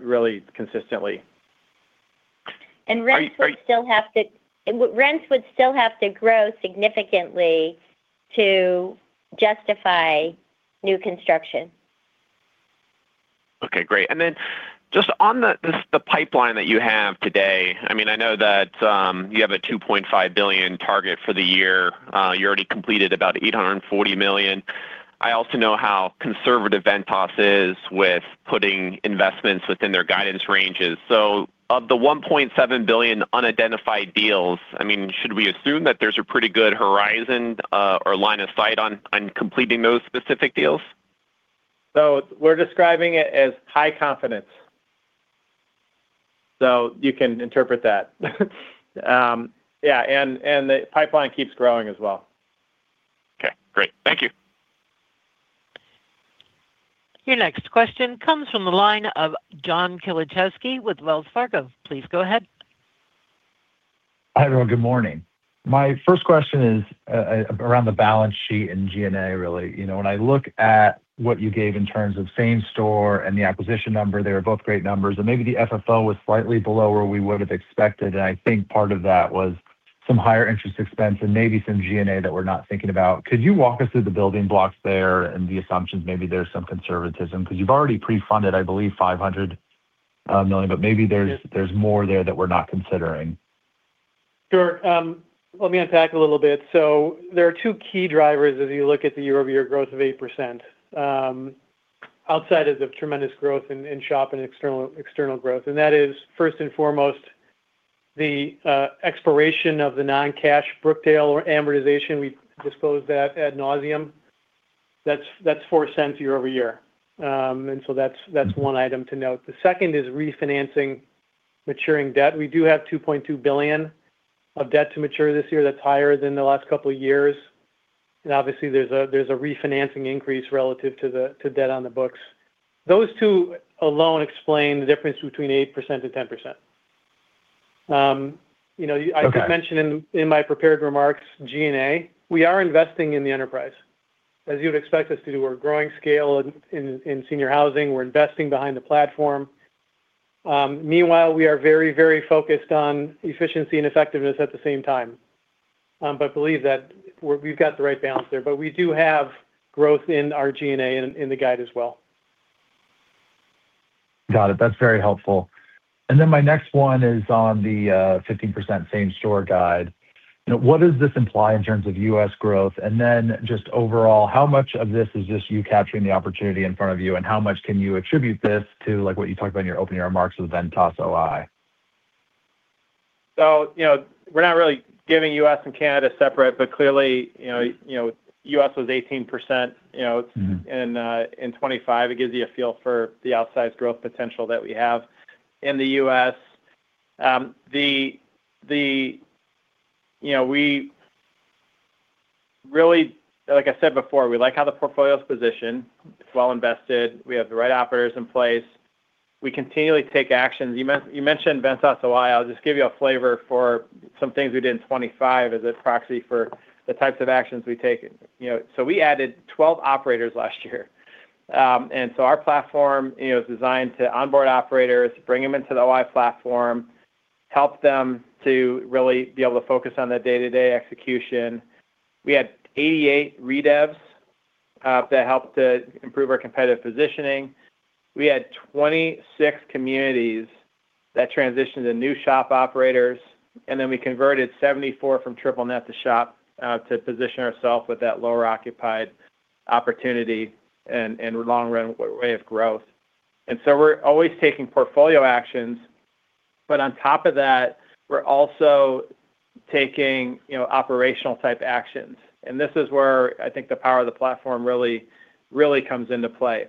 really consistently. And rents would still have to grow significantly to justify new construction. Okay, great. And then just on this, the pipeline that you have today, I mean, I know that you have a $2.5 billion target for the year. You already completed about $840 million. I also know how conservative Ventas is with putting investments within their guidance ranges. So of the $1.7 billion unidentified deals, I mean, should we assume that there's a pretty good horizon or line of sight on completing those specific deals? So we're describing it as high confidence. So you can interpret that. Yeah, and the pipeline keeps growing as well. Okay, great. Thank you. Your next question comes from the line of John Kilichowski with Wells Fargo. Please go ahead. Hi, everyone. Good morning. My first question is around the balance sheet and G&A, really. You know, when I look at what you gave in terms of same store and the acquisition number, they were both great numbers, and maybe the FFO was slightly below where we would have expected, and I think part of that was some higher interest expense and maybe some G&A that we're not thinking about. Could you walk us through the building blocks there and the assumptions? Maybe there's some conservatism, 'cause you've already pre-funded, I believe, $500 million, but maybe there's more there that we're not considering. Sure. Let me unpack a little bit. So there are two key drivers as you look at the year-over-year growth of 8%. Outside of is tremendous growth in SHOP and external growth, and that is, first and foremost, the expiration of the non-cash Brookdale amortization. We disclose that ad nauseam. That's four cents year-over-year. And so that's one item to note. The second is refinancing maturing debt. We do have $2.2 billion of debt to mature this year. That's higher than the last couple of years, and obviously, there's a refinancing increase relative to the debt on the books. Those two alone explain the difference between 8% and 10%. You know, I just mentioned in my prepared remarks, G&A, we are investing in the enterprise, as you'd expect us to do. We're growing scale in senior housing. We're investing behind the platform. Meanwhile, we are very, very focused on efficiency and effectiveness at the same time. But believe that we've got the right balance there, but we do have growth in our G&A in the guide as well. Got it. That's very helpful. And then, my next one is on the, fifteen percent same-store guide. You know, what does this imply in terms of U.S. growth? And then, just overall, how much of this is just you capturing the opportunity in front of you, and how much can you attribute this to, like, what you talked about in your opening remarks with Ventas OI? So, you know, we're not really giving U.S. and Canada separate, but clearly, you know, you know, U.S. was 18%, you know, and in 2025, it gives you a feel for the outsized growth potential that we have in the U.S. You know, we really like I said before, we like how the portfolio is positioned. It's well invested. We have the right operators in place. We continually take actions. You mentioned Ventas OI. I'll just give you a flavor for some things we did in 2025 as a proxy for the types of actions we taken. You know, so we added 12 operators last year. And so our platform, you know, is designed to onboard operators, bring them into the OI platform, help them to really be able to focus on the day-to-day execution. We had 88 redevs that helped to improve our competitive positioning. We had 26 communities that transitioned to new SHOP operators, and then we converted 74 from triple net to SHOP to position ourselves with that lower occupied opportunity and long runway of growth. We're always taking portfolio actions, but on top of that, we're also taking, you know, operational type actions. This is where I think the power of the platform really comes into play.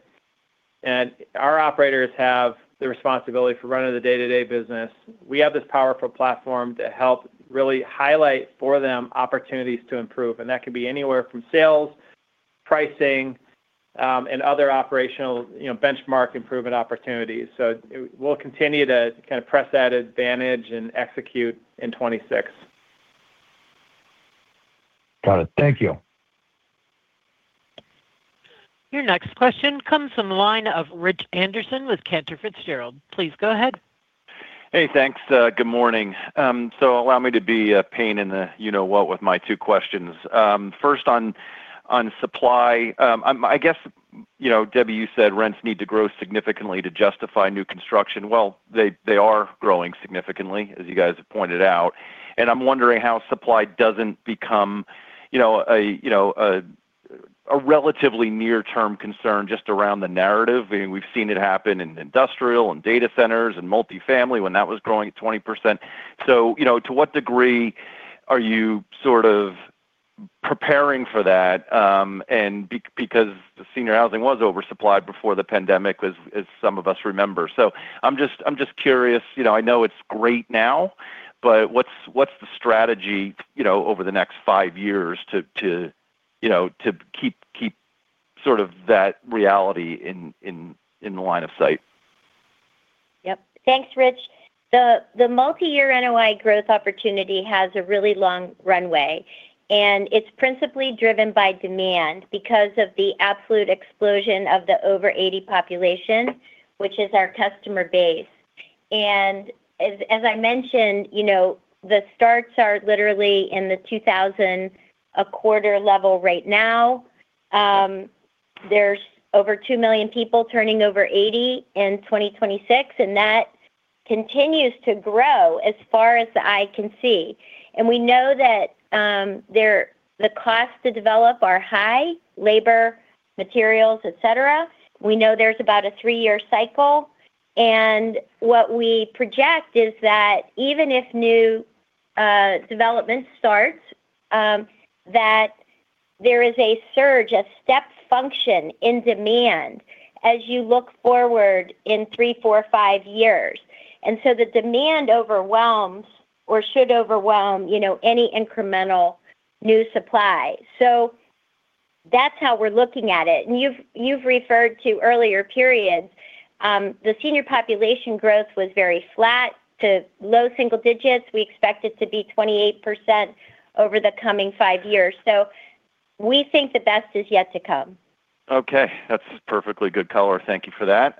Our operators have the responsibility for running the day-to-day business. We have this powerful platform to help really highlight for them opportunities to improve, and that can be anywhere from sales, pricing, and other operational, you know, benchmark improvement opportunities. So we'll continue to kind of press that advantage and execute in 2026. Got it. Thank you. Your next question comes from the line of Rich Anderson with Cantor Fitzgerald. Please go ahead. Hey, thanks. Good morning. So allow me to be a pain in the you-know-what with my two questions. First on supply. I guess, you know, Debbie, you said rents need to grow significantly to justify new construction. Well, they are growing significantly, as you guys have pointed out, and I'm wondering how supply doesn't become, you know, a relatively near-term concern just around the narrative. I mean, we've seen it happen in industrial, and data centers, and multifamily when that was growing at 20%. So, you know, to what degree are you sort of preparing for that? And because the senior housing was oversupplied before the pandemic, as some of us remember. So I'm just curious, you know, I know it's great now, but what's the strategy, you know, over the next five years to, you know, to keep sort of that reality in line of sight? Yep. Thanks, Rich. The multi-year NOI growth opportunity has a really long runway, and it's principally driven by demand because of the absolute explosion of the over 80 population, which is our customer base. And as I mentioned, you know, the starts are literally in the 2,000 a quarter level right now. There's over 2 million people turning over 80 in 2026, and that continues to grow as far as the eye can see. And we know that the costs to develop are high, labor, materials, et cetera. We know there's about a 3-year cycle, and what we project is that even if new development starts, that there is a surge, a step function in demand as you look forward in 3, 4, or 5 years. And so the demand overwhelms or should overwhelm, you know, any incremental new supply. So that's how we're looking at it. And you've referred to earlier periods. The senior population growth was very flat to low single digits. We expect it to be 28% over the coming five years. So we think the best is yet to come. Okay, that's perfectly good color. Thank you for that.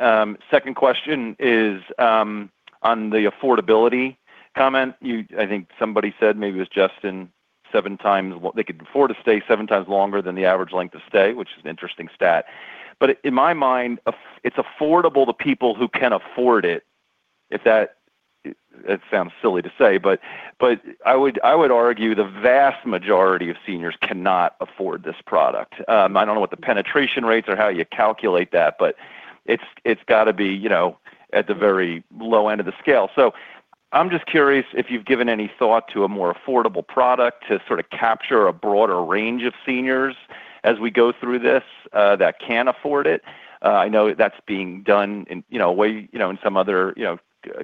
Second question is, on the affordability comment. You I think somebody said, maybe it was Justin, 7 times what they could afford to stay 7 times longer than the average length of stay, which is an interesting stat. But in my mind, it's affordable to people who can afford it. If that it sounds silly to say, but I would argue the vast majority of seniors cannot afford this product. I don't know what the penetration rates or how you calculate that, but it's got to be, you know, at the very low end of the scale. So I'm just curious if you've given any thought to a more affordable product to sort of capture a broader range of seniors as we go through this, that can afford it? I know that's being done in, you know, a way, you know, in some other, you know,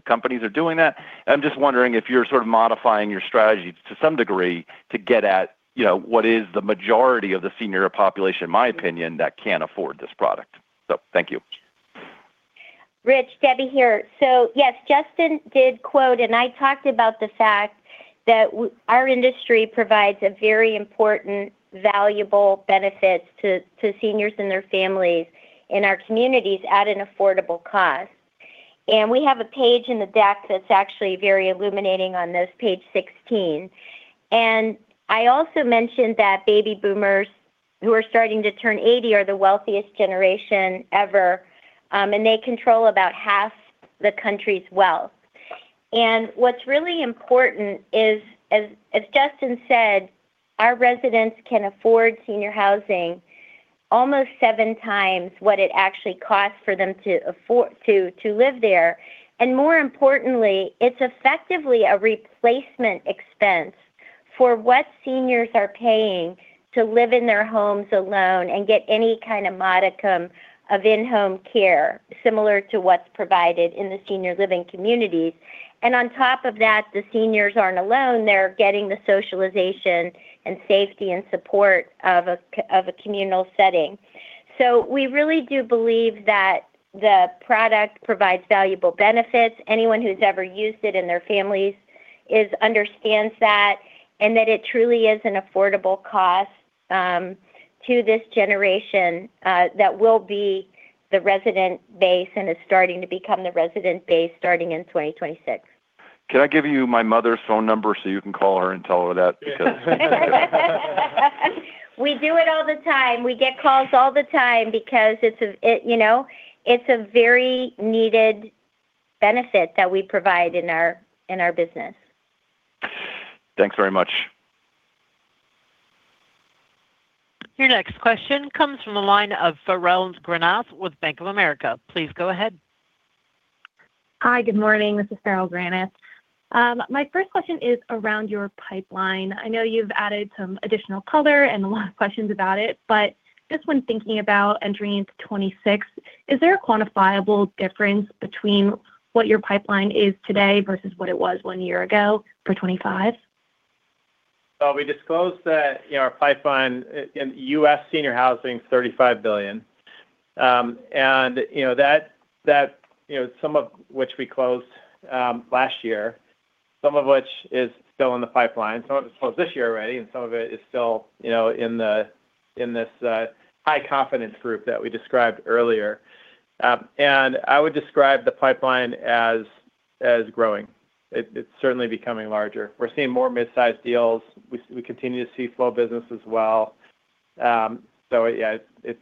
companies are doing that. I'm just wondering if you're sort of modifying your strategy to some degree to get at, you know, what is the majority of the senior population, in my opinion, that can afford this product. So thank you. Rich, Debbie here. So yes, Justin did quote, and I talked about the fact that our industry provides a very important, valuable benefits to seniors and their families and our communities at an affordable cost. And we have a page in the deck that's actually very illuminating on this, page 16. And I also mentioned that baby boomers who are starting to turn 80 are the wealthiest generation ever, and they control about half the country's wealth. And what's really important is, as Justin said, our residents can afford senior housing almost seven times what it actually costs for them to afford to live there. And more importantly, it's effectively a replacement expense for what seniors are paying to live in their homes alone and get any kind of modicum of in-home care, similar to what's provided in the senior living communities. And on top of that, the seniors aren't alone. They're getting the socialization and safety and support of a communal setting. So we really do believe that the product provides valuable benefits. Anyone who's ever used it in their families understands that, and that it truly is an affordable cost to this generation that will be the resident base and is starting to become the resident base starting in 2026. Can I give you my mother's phone number so you can call her and tell her that? Because... We do it all the time. We get calls all the time because it's, you know, it's a very needed benefit that we provide in our, in our business. Thanks very much. Your next question comes from the line of Farrell Granath with Bank of America. Please go ahead. Hi, good morning. This is Farrell Granath. My first question is around your pipeline. I know you've added some additional color and a lot of questions about it, but just when thinking about entering into 2026, is there a quantifiable difference between what your pipeline is today versus what it was one year ago for 2025? Well, we disclosed that, you know, our pipeline in U.S. senior housing is $35 billion. And, you know, that, some of which we closed last year, some of which is still in the pipeline. Some of it was closed this year already, and some of it is still, you know, in this high confidence group that we described earlier. And I would describe the pipeline as growing. It's certainly becoming larger. We're seeing more mid-sized deals. We continue to see small business as well. So yeah,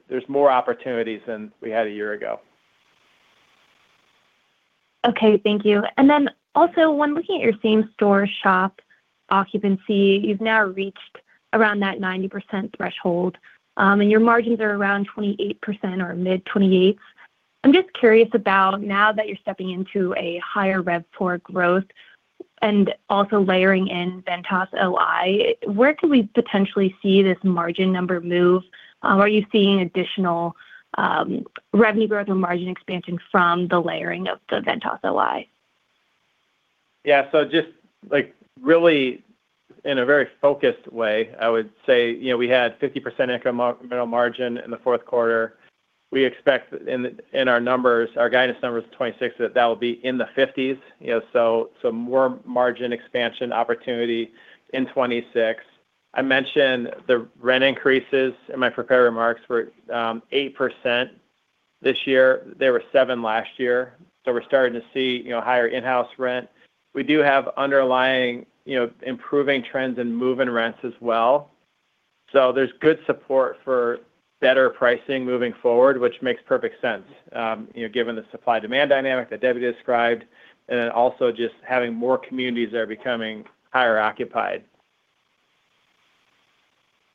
there's more opportunities than we had a year ago. Okay, thank you. And then also, when looking at your same-store SHOP occupancy, you've now reached around that 90% threshold, and your margins are around 28% or mid-28%. I'm just curious about now that you're stepping into a higher RevPOR growth and also layering in Ventas OI, where could we potentially see this margin number move? Are you seeing additional revenue growth and margin expansion from the layering of the Ventas OI? Yeah. So just, like, really in a very focused way, I would say, you know, we had 50% incremental margin in the fourth quarter. We expect in our numbers, our guidance numbers, 2026, that will be in the fifties, you know, so more margin expansion opportunity in 2026. I mentioned the rent increases in my prepared remarks were eight percent this year. They were seven last year. So we're starting to see, you know, higher in-house rent. We do have underlying, you know, improving trends in move-in rents as well. So there's good support for better pricing moving forward, which makes perfect sense, you know, given the supply-demand dynamic that Debbie described, and then also just having more communities that are becoming higher occupied.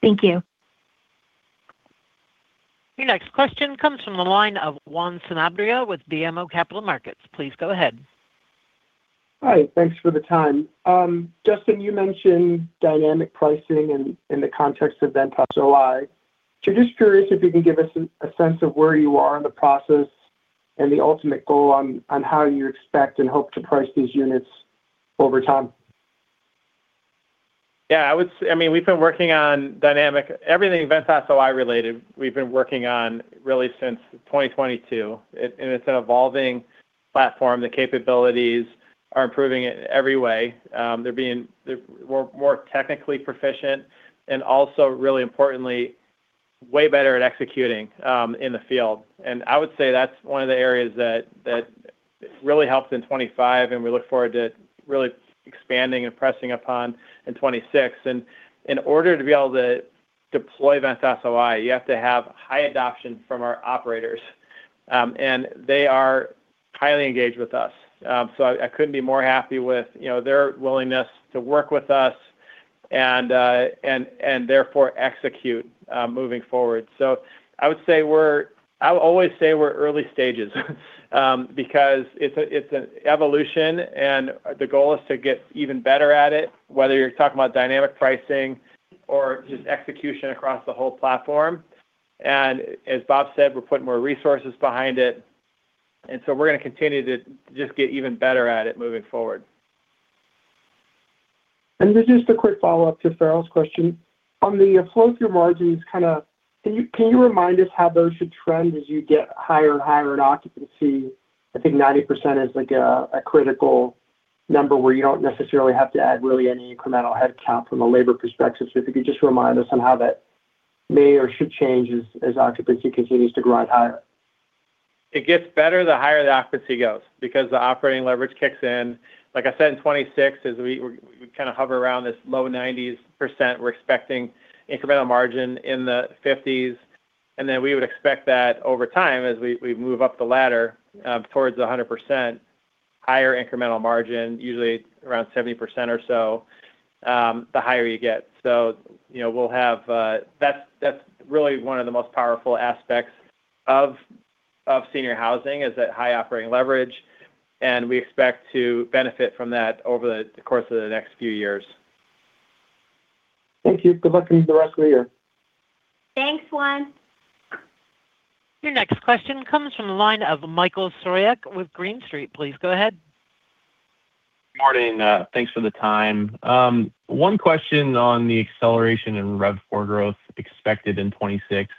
Thank you. Your next question comes from the line of Juan Sanabria with BMO Capital Markets. Please go ahead. Hi, thanks for the time. Justin, you mentioned dynamic pricing in the context of Ventas OI. So just curious if you can give us a sense of where you are in the process and the ultimate goal on how you expect and hope to price these units over time? Yeah, I would—I mean, we've been working on dynamic everything Ventas OI related, we've been working on really since 2022. It, and it's an evolving platform. The capabilities are improving in every way. They're more, more technically proficient, and also, really importantly, way better at executing in the field. And I would say that's one of the areas that really helped in 2025, and we look forward to really expanding and pressing upon in 2026. And in order to be able to deploy Ventas OI, you have to have high adoption from our operators, and they are highly engaged with us. So I couldn't be more happy with, you know, their willingness to work with us and, and therefore execute moving forward. So I would always say we're in early stages, because it's an evolution, and the goal is to get even better at it, whether you're talking about dynamic pricing or just execution across the whole platform. And as Bob said, we're putting more resources behind it, and so we're gonna continue to just get even better at it moving forward. Just a quick follow-up to Farrell's question. On the flow through margins, kinda, can you, can you remind us how those should trend as you get higher and higher in occupancy? I think 90% is like a, a critical number where you don't necessarily have to add really any incremental headcount from a labor perspective. So if you could just remind us on how that may or should change as, as occupancy continues to grind higher. It gets better the higher the occupancy goes, because the operating leverage kicks in. Like I said, in 2026, as we kinda hover around this low 90s%, we're expecting incremental margin in the 50s. And then we would expect that over time, as we move up the ladder, toward 100%, higher incremental margin, usually around 70% or so, the higher you get. So, you know, we'll have... That's really one of the most powerful aspects of senior housing, is that high operating leverage, and we expect to benefit from that over the course of the next few years. Thank you. Good luck with the rest of the year. Thanks, Juan. Your next question comes from the line of Michael Stroyeck with Green Street. Please go ahead. Good morning, thanks for the time. One question on the acceleration in RevPOR growth expected in 2026.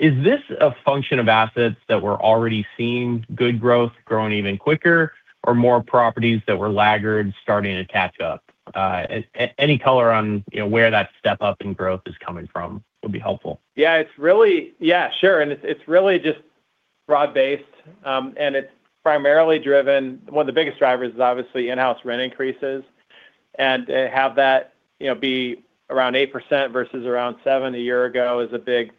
Is this a function of assets that were already seeing good growth growing even quicker, or more properties that were laggard starting to catch up? Any color on, you know, where that step up in growth is coming from would be helpful. Yeah, it's really. Yeah, sure. And it's, it's really just broad-based, and it's primarily driven. One of the biggest drivers is obviously in-house rent increases, and to have that, you know, be around 8% versus around 7% a year ago is a big,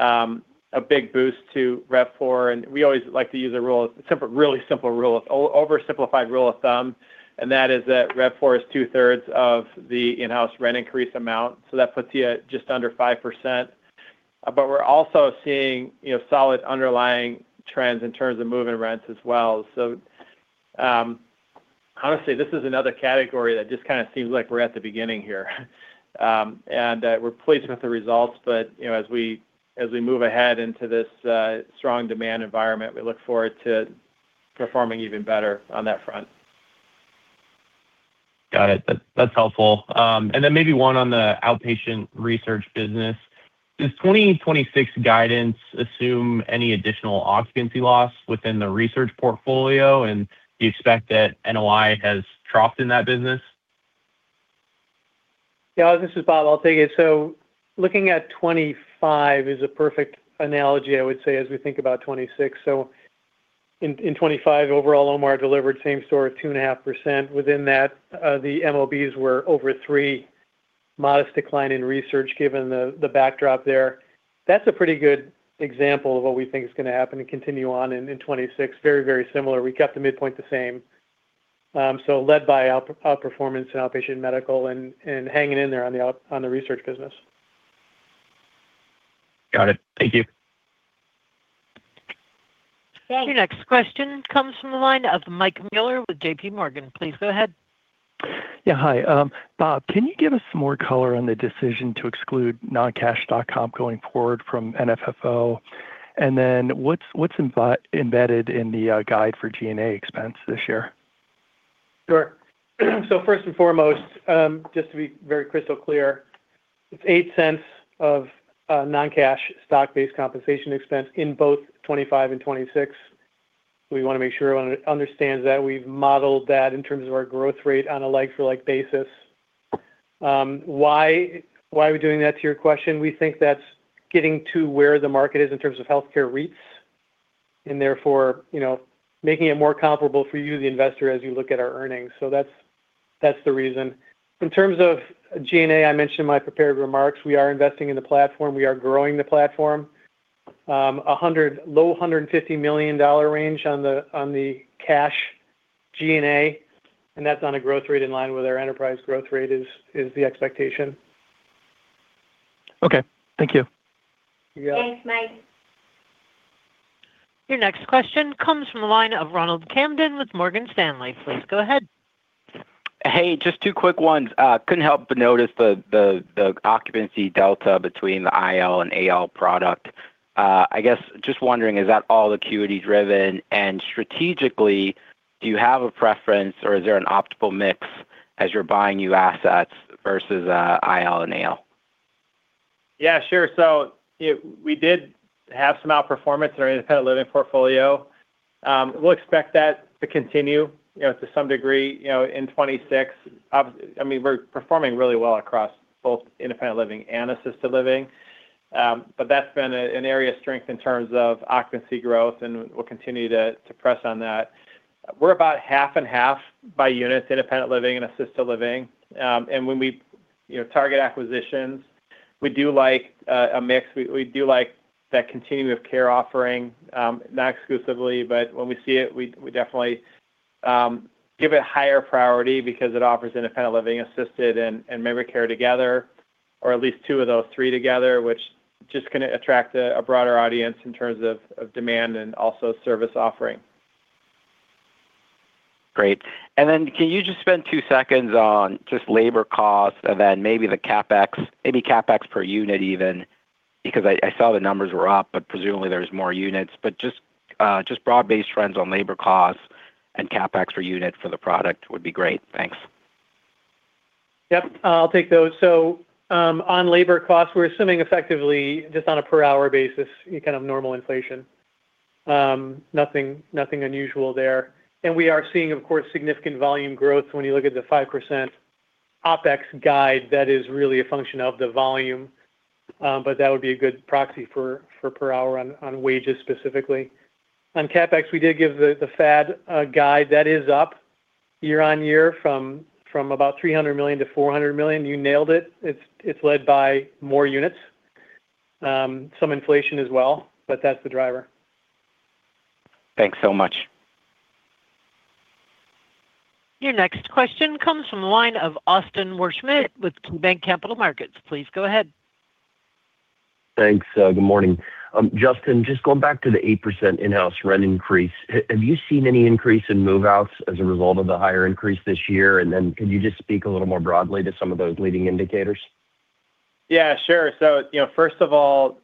a big boost to RevPOR. And we always like to use a rule, a simple, really simple rule, oversimplified rule of thumb, and that is that RevPOR is two-thirds of the in-house rent increase amount, so that puts you at just under 5%. But we're also seeing, you know, solid underlying trends in terms of move-in rents as well. So, honestly, this is another category that just kinda seems like we're at the beginning here. We're pleased with the results, but you know, as we move ahead into this strong demand environment, we look forward to performing even better on that front. Got it. That, that's helpful. And then maybe one on the outpatient research business. Does 2026 guidance assume any additional occupancy loss within the research portfolio? And do you expect that NOI has troughed in that business? Yeah, this is Bob. I'll take it. So looking at 2025 is a perfect analogy, I would say, as we think about 2026. So in 2025, overall, OMR delivered same-store at 2.5%. Within that, the MOBs were over 3%. Modest decline in research, given the backdrop there. That's a pretty good example of what we think is gonna happen and continue on in 2026. Very, very similar. We kept the midpoint the same. So led by outperformance in outpatient medical and hanging in there on the research business. Got it. Thank you. Thanks. Your next question comes from the line of Michael Mueller with J.P. Morgan. Please go ahead. Yeah, hi. Bob, can you give us some more color on the decision to exclude non-cash comp going forward from NFFO? And then what's embedded in the guide for G&A expense this year? Sure. So first and foremost, just to be very crystal clear, it's eight cents of non-cash stock-based compensation expense in both 2025 and 2026. We wanna make sure everyone understands that. We've modeled that in terms of our growth rate on a like-for-like basis. Why, why are we doing that, to your question? We think that's getting to where the market is in terms of healthcare REITs, and therefore, you know, making it more comparable for you, the investor, as you look at our earnings. So that's, that's the reason. In terms of G&A, I mentioned in my prepared remarks, we are investing in the platform. We are growing the platform. A hundred, low hundred and fifty million dollar range on the, on the cash G&A, and that's on a growth rate in line with our enterprise growth rate is, is the expectation. Okay. Thank you. You got it. Thanks, Mike. Your next question comes from the line of Ronald Kamdem with Morgan Stanley. Please go ahead. Hey, just two quick ones. Couldn't help but notice the occupancy delta between the IL and AL product. I guess, just wondering, is that all acuity-driven? And strategically, do you have a preference, or is there an optimal mix as you're buying new assets versus IL and AL? Yeah, sure. So, we did have some outperformance in our independent living portfolio. We'll expect that to continue, you know, to some degree, you know, in 2026. I mean, we're performing really well across both independent living and assisted living. But that's been an area of strength in terms of occupancy growth, and we'll continue to press on that. We're about half and half by units, independent living and assisted living. And when we, you know, target acquisitions, we do like a mix. We do like that continuum of care offering, not exclusively, but when we see it, we definitely give it higher priority because it offers independent living, assisted, and memory care together, or at least two of those three together, which just gonna attract a broader audience in terms of demand and also service offering. Great. And then can you just spend two seconds on just labor costs and then maybe the CapEx, maybe CapEx per unit even? Because I saw the numbers were up, but presumably there's more units. But just, just broad-based trends on labor costs and CapEx per unit for the product would be great. Thanks. Yep, I'll take those. So, on labor costs, we're assuming effectively, just on a per hour basis, kind of normal inflation. Nothing, nothing unusual there. And we are seeing, of course, significant volume growth. When you look at the 5% OpEx guide, that is really a function of the volume. But that would be a good proxy for per hour on wages, specifically. On CapEx, we did give the FAD a guide that is up year-on-year from about $300 million to $400 million. You nailed it. It's led by more units, some inflation as well, but that's the driver. Thanks so much. Your next question comes from the line of Austin Wurschmidt with KeyBanc Capital Markets. Please go ahead. Thanks. Good morning. Justin, just going back to the 8% in-house rent increase, have you seen any increase in move-outs as a result of the higher increase this year? And then could you just speak a little more broadly to some of those leading indicators? Yeah, sure. So, you know, first of all,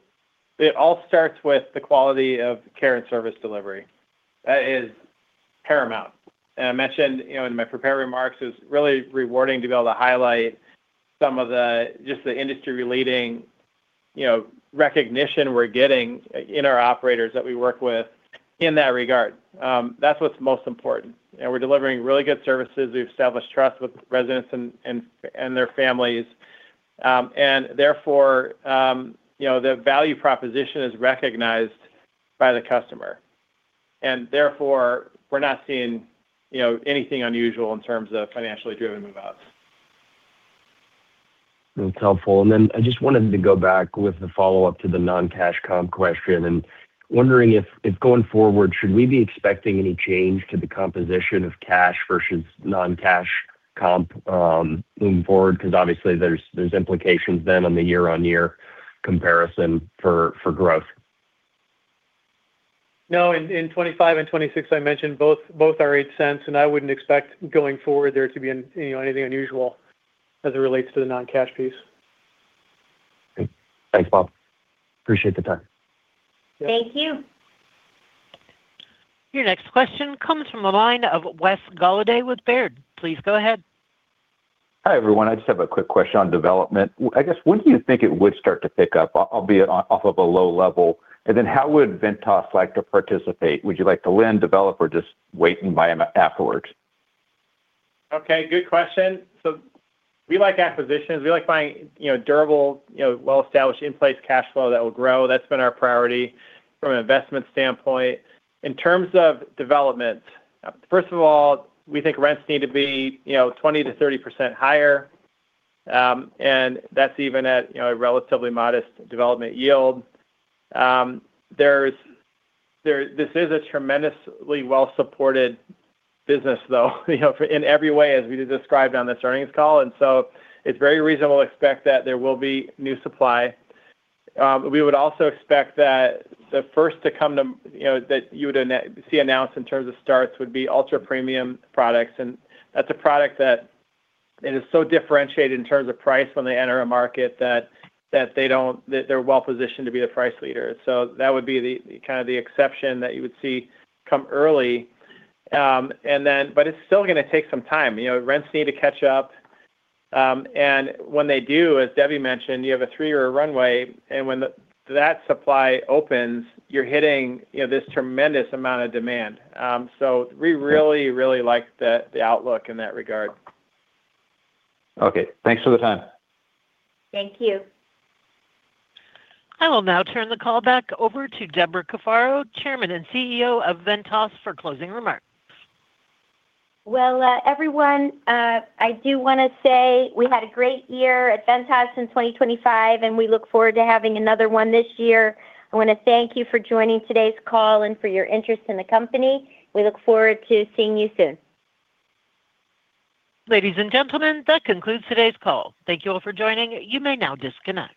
it all starts with the quality of care and service delivery. That is paramount. And I mentioned, you know, in my prepared remarks, it's really rewarding to be able to highlight some of the just the industry-leading, you know, recognition we're getting in our operators that we work with in that regard. That's what's most important. And we're delivering really good services. We've established trust with residents and their families. And therefore, you know, the value proposition is recognized by the customer. And therefore, we're not seeing, you know, anything unusual in terms of financially driven move-outs. That's helpful. And then I just wanted to go back with the follow-up to the non-cash comp question, and wondering if, going forward, should we be expecting any change to the composition of cash versus non-cash comp, moving forward? Because obviously, there's implications then on the year-on-year comparison for growth. No, in 2025 and 2026, I mentioned both, both are $0.08, and I wouldn't expect, going forward, there to be you know, anything unusual as it relates to the non-cash piece. Great. Thanks, Bob. Appreciate the time. Thank you. Your next question comes from the line of Wes Golladay with Baird. Please go ahead. Hi, everyone. I just have a quick question on development. I guess, when do you think it would start to pick up, albeit off of a low level? And then how would Ventas like to participate? Would you like to lend, develop, or just wait and buy them afterwards? Okay, good question. So we like acquisitions. We like buying, you know, durable, you know, well-established, in-place cash flow that will grow. That's been our priority from an investment standpoint. In terms of development, first of all, we think rents need to be, you know, 20%-30% higher, and that's even at, you know, a relatively modest development yield. There's this is a tremendously well-supported business, though, you know, in every way, as we described on this earnings call, and so it's very reasonable to expect that there will be new supply. We would also expect that the first to come to, you know, that you would see announced in terms of starts would be ultra-premium products, and that's a product that it is so differentiated in terms of price when they enter a market, that they're well-positioned to be a price leader. So that would be the kind of exception that you would see come early. And then, but it's still gonna take some time. You know, rents need to catch up. And when they do, as Debbie mentioned, you have a three-year runway, and when that supply opens, you're hitting, you know, this tremendous amount of demand. So we really, really like the outlook in that regard. Okay. Thanks for the time. Thank you. I will now turn the call back over to Deborah Cafaro, Chairman and CEO of Ventas, for closing remarks. Well, everyone, I do want to say we had a great year at Ventas in 2025, and we look forward to having another one this year. I want to thank you for joining today's call and for your interest in the company. We look forward to seeing you soon. Ladies and gentlemen, that concludes today's call. Thank you all for joining. You may now disconnect.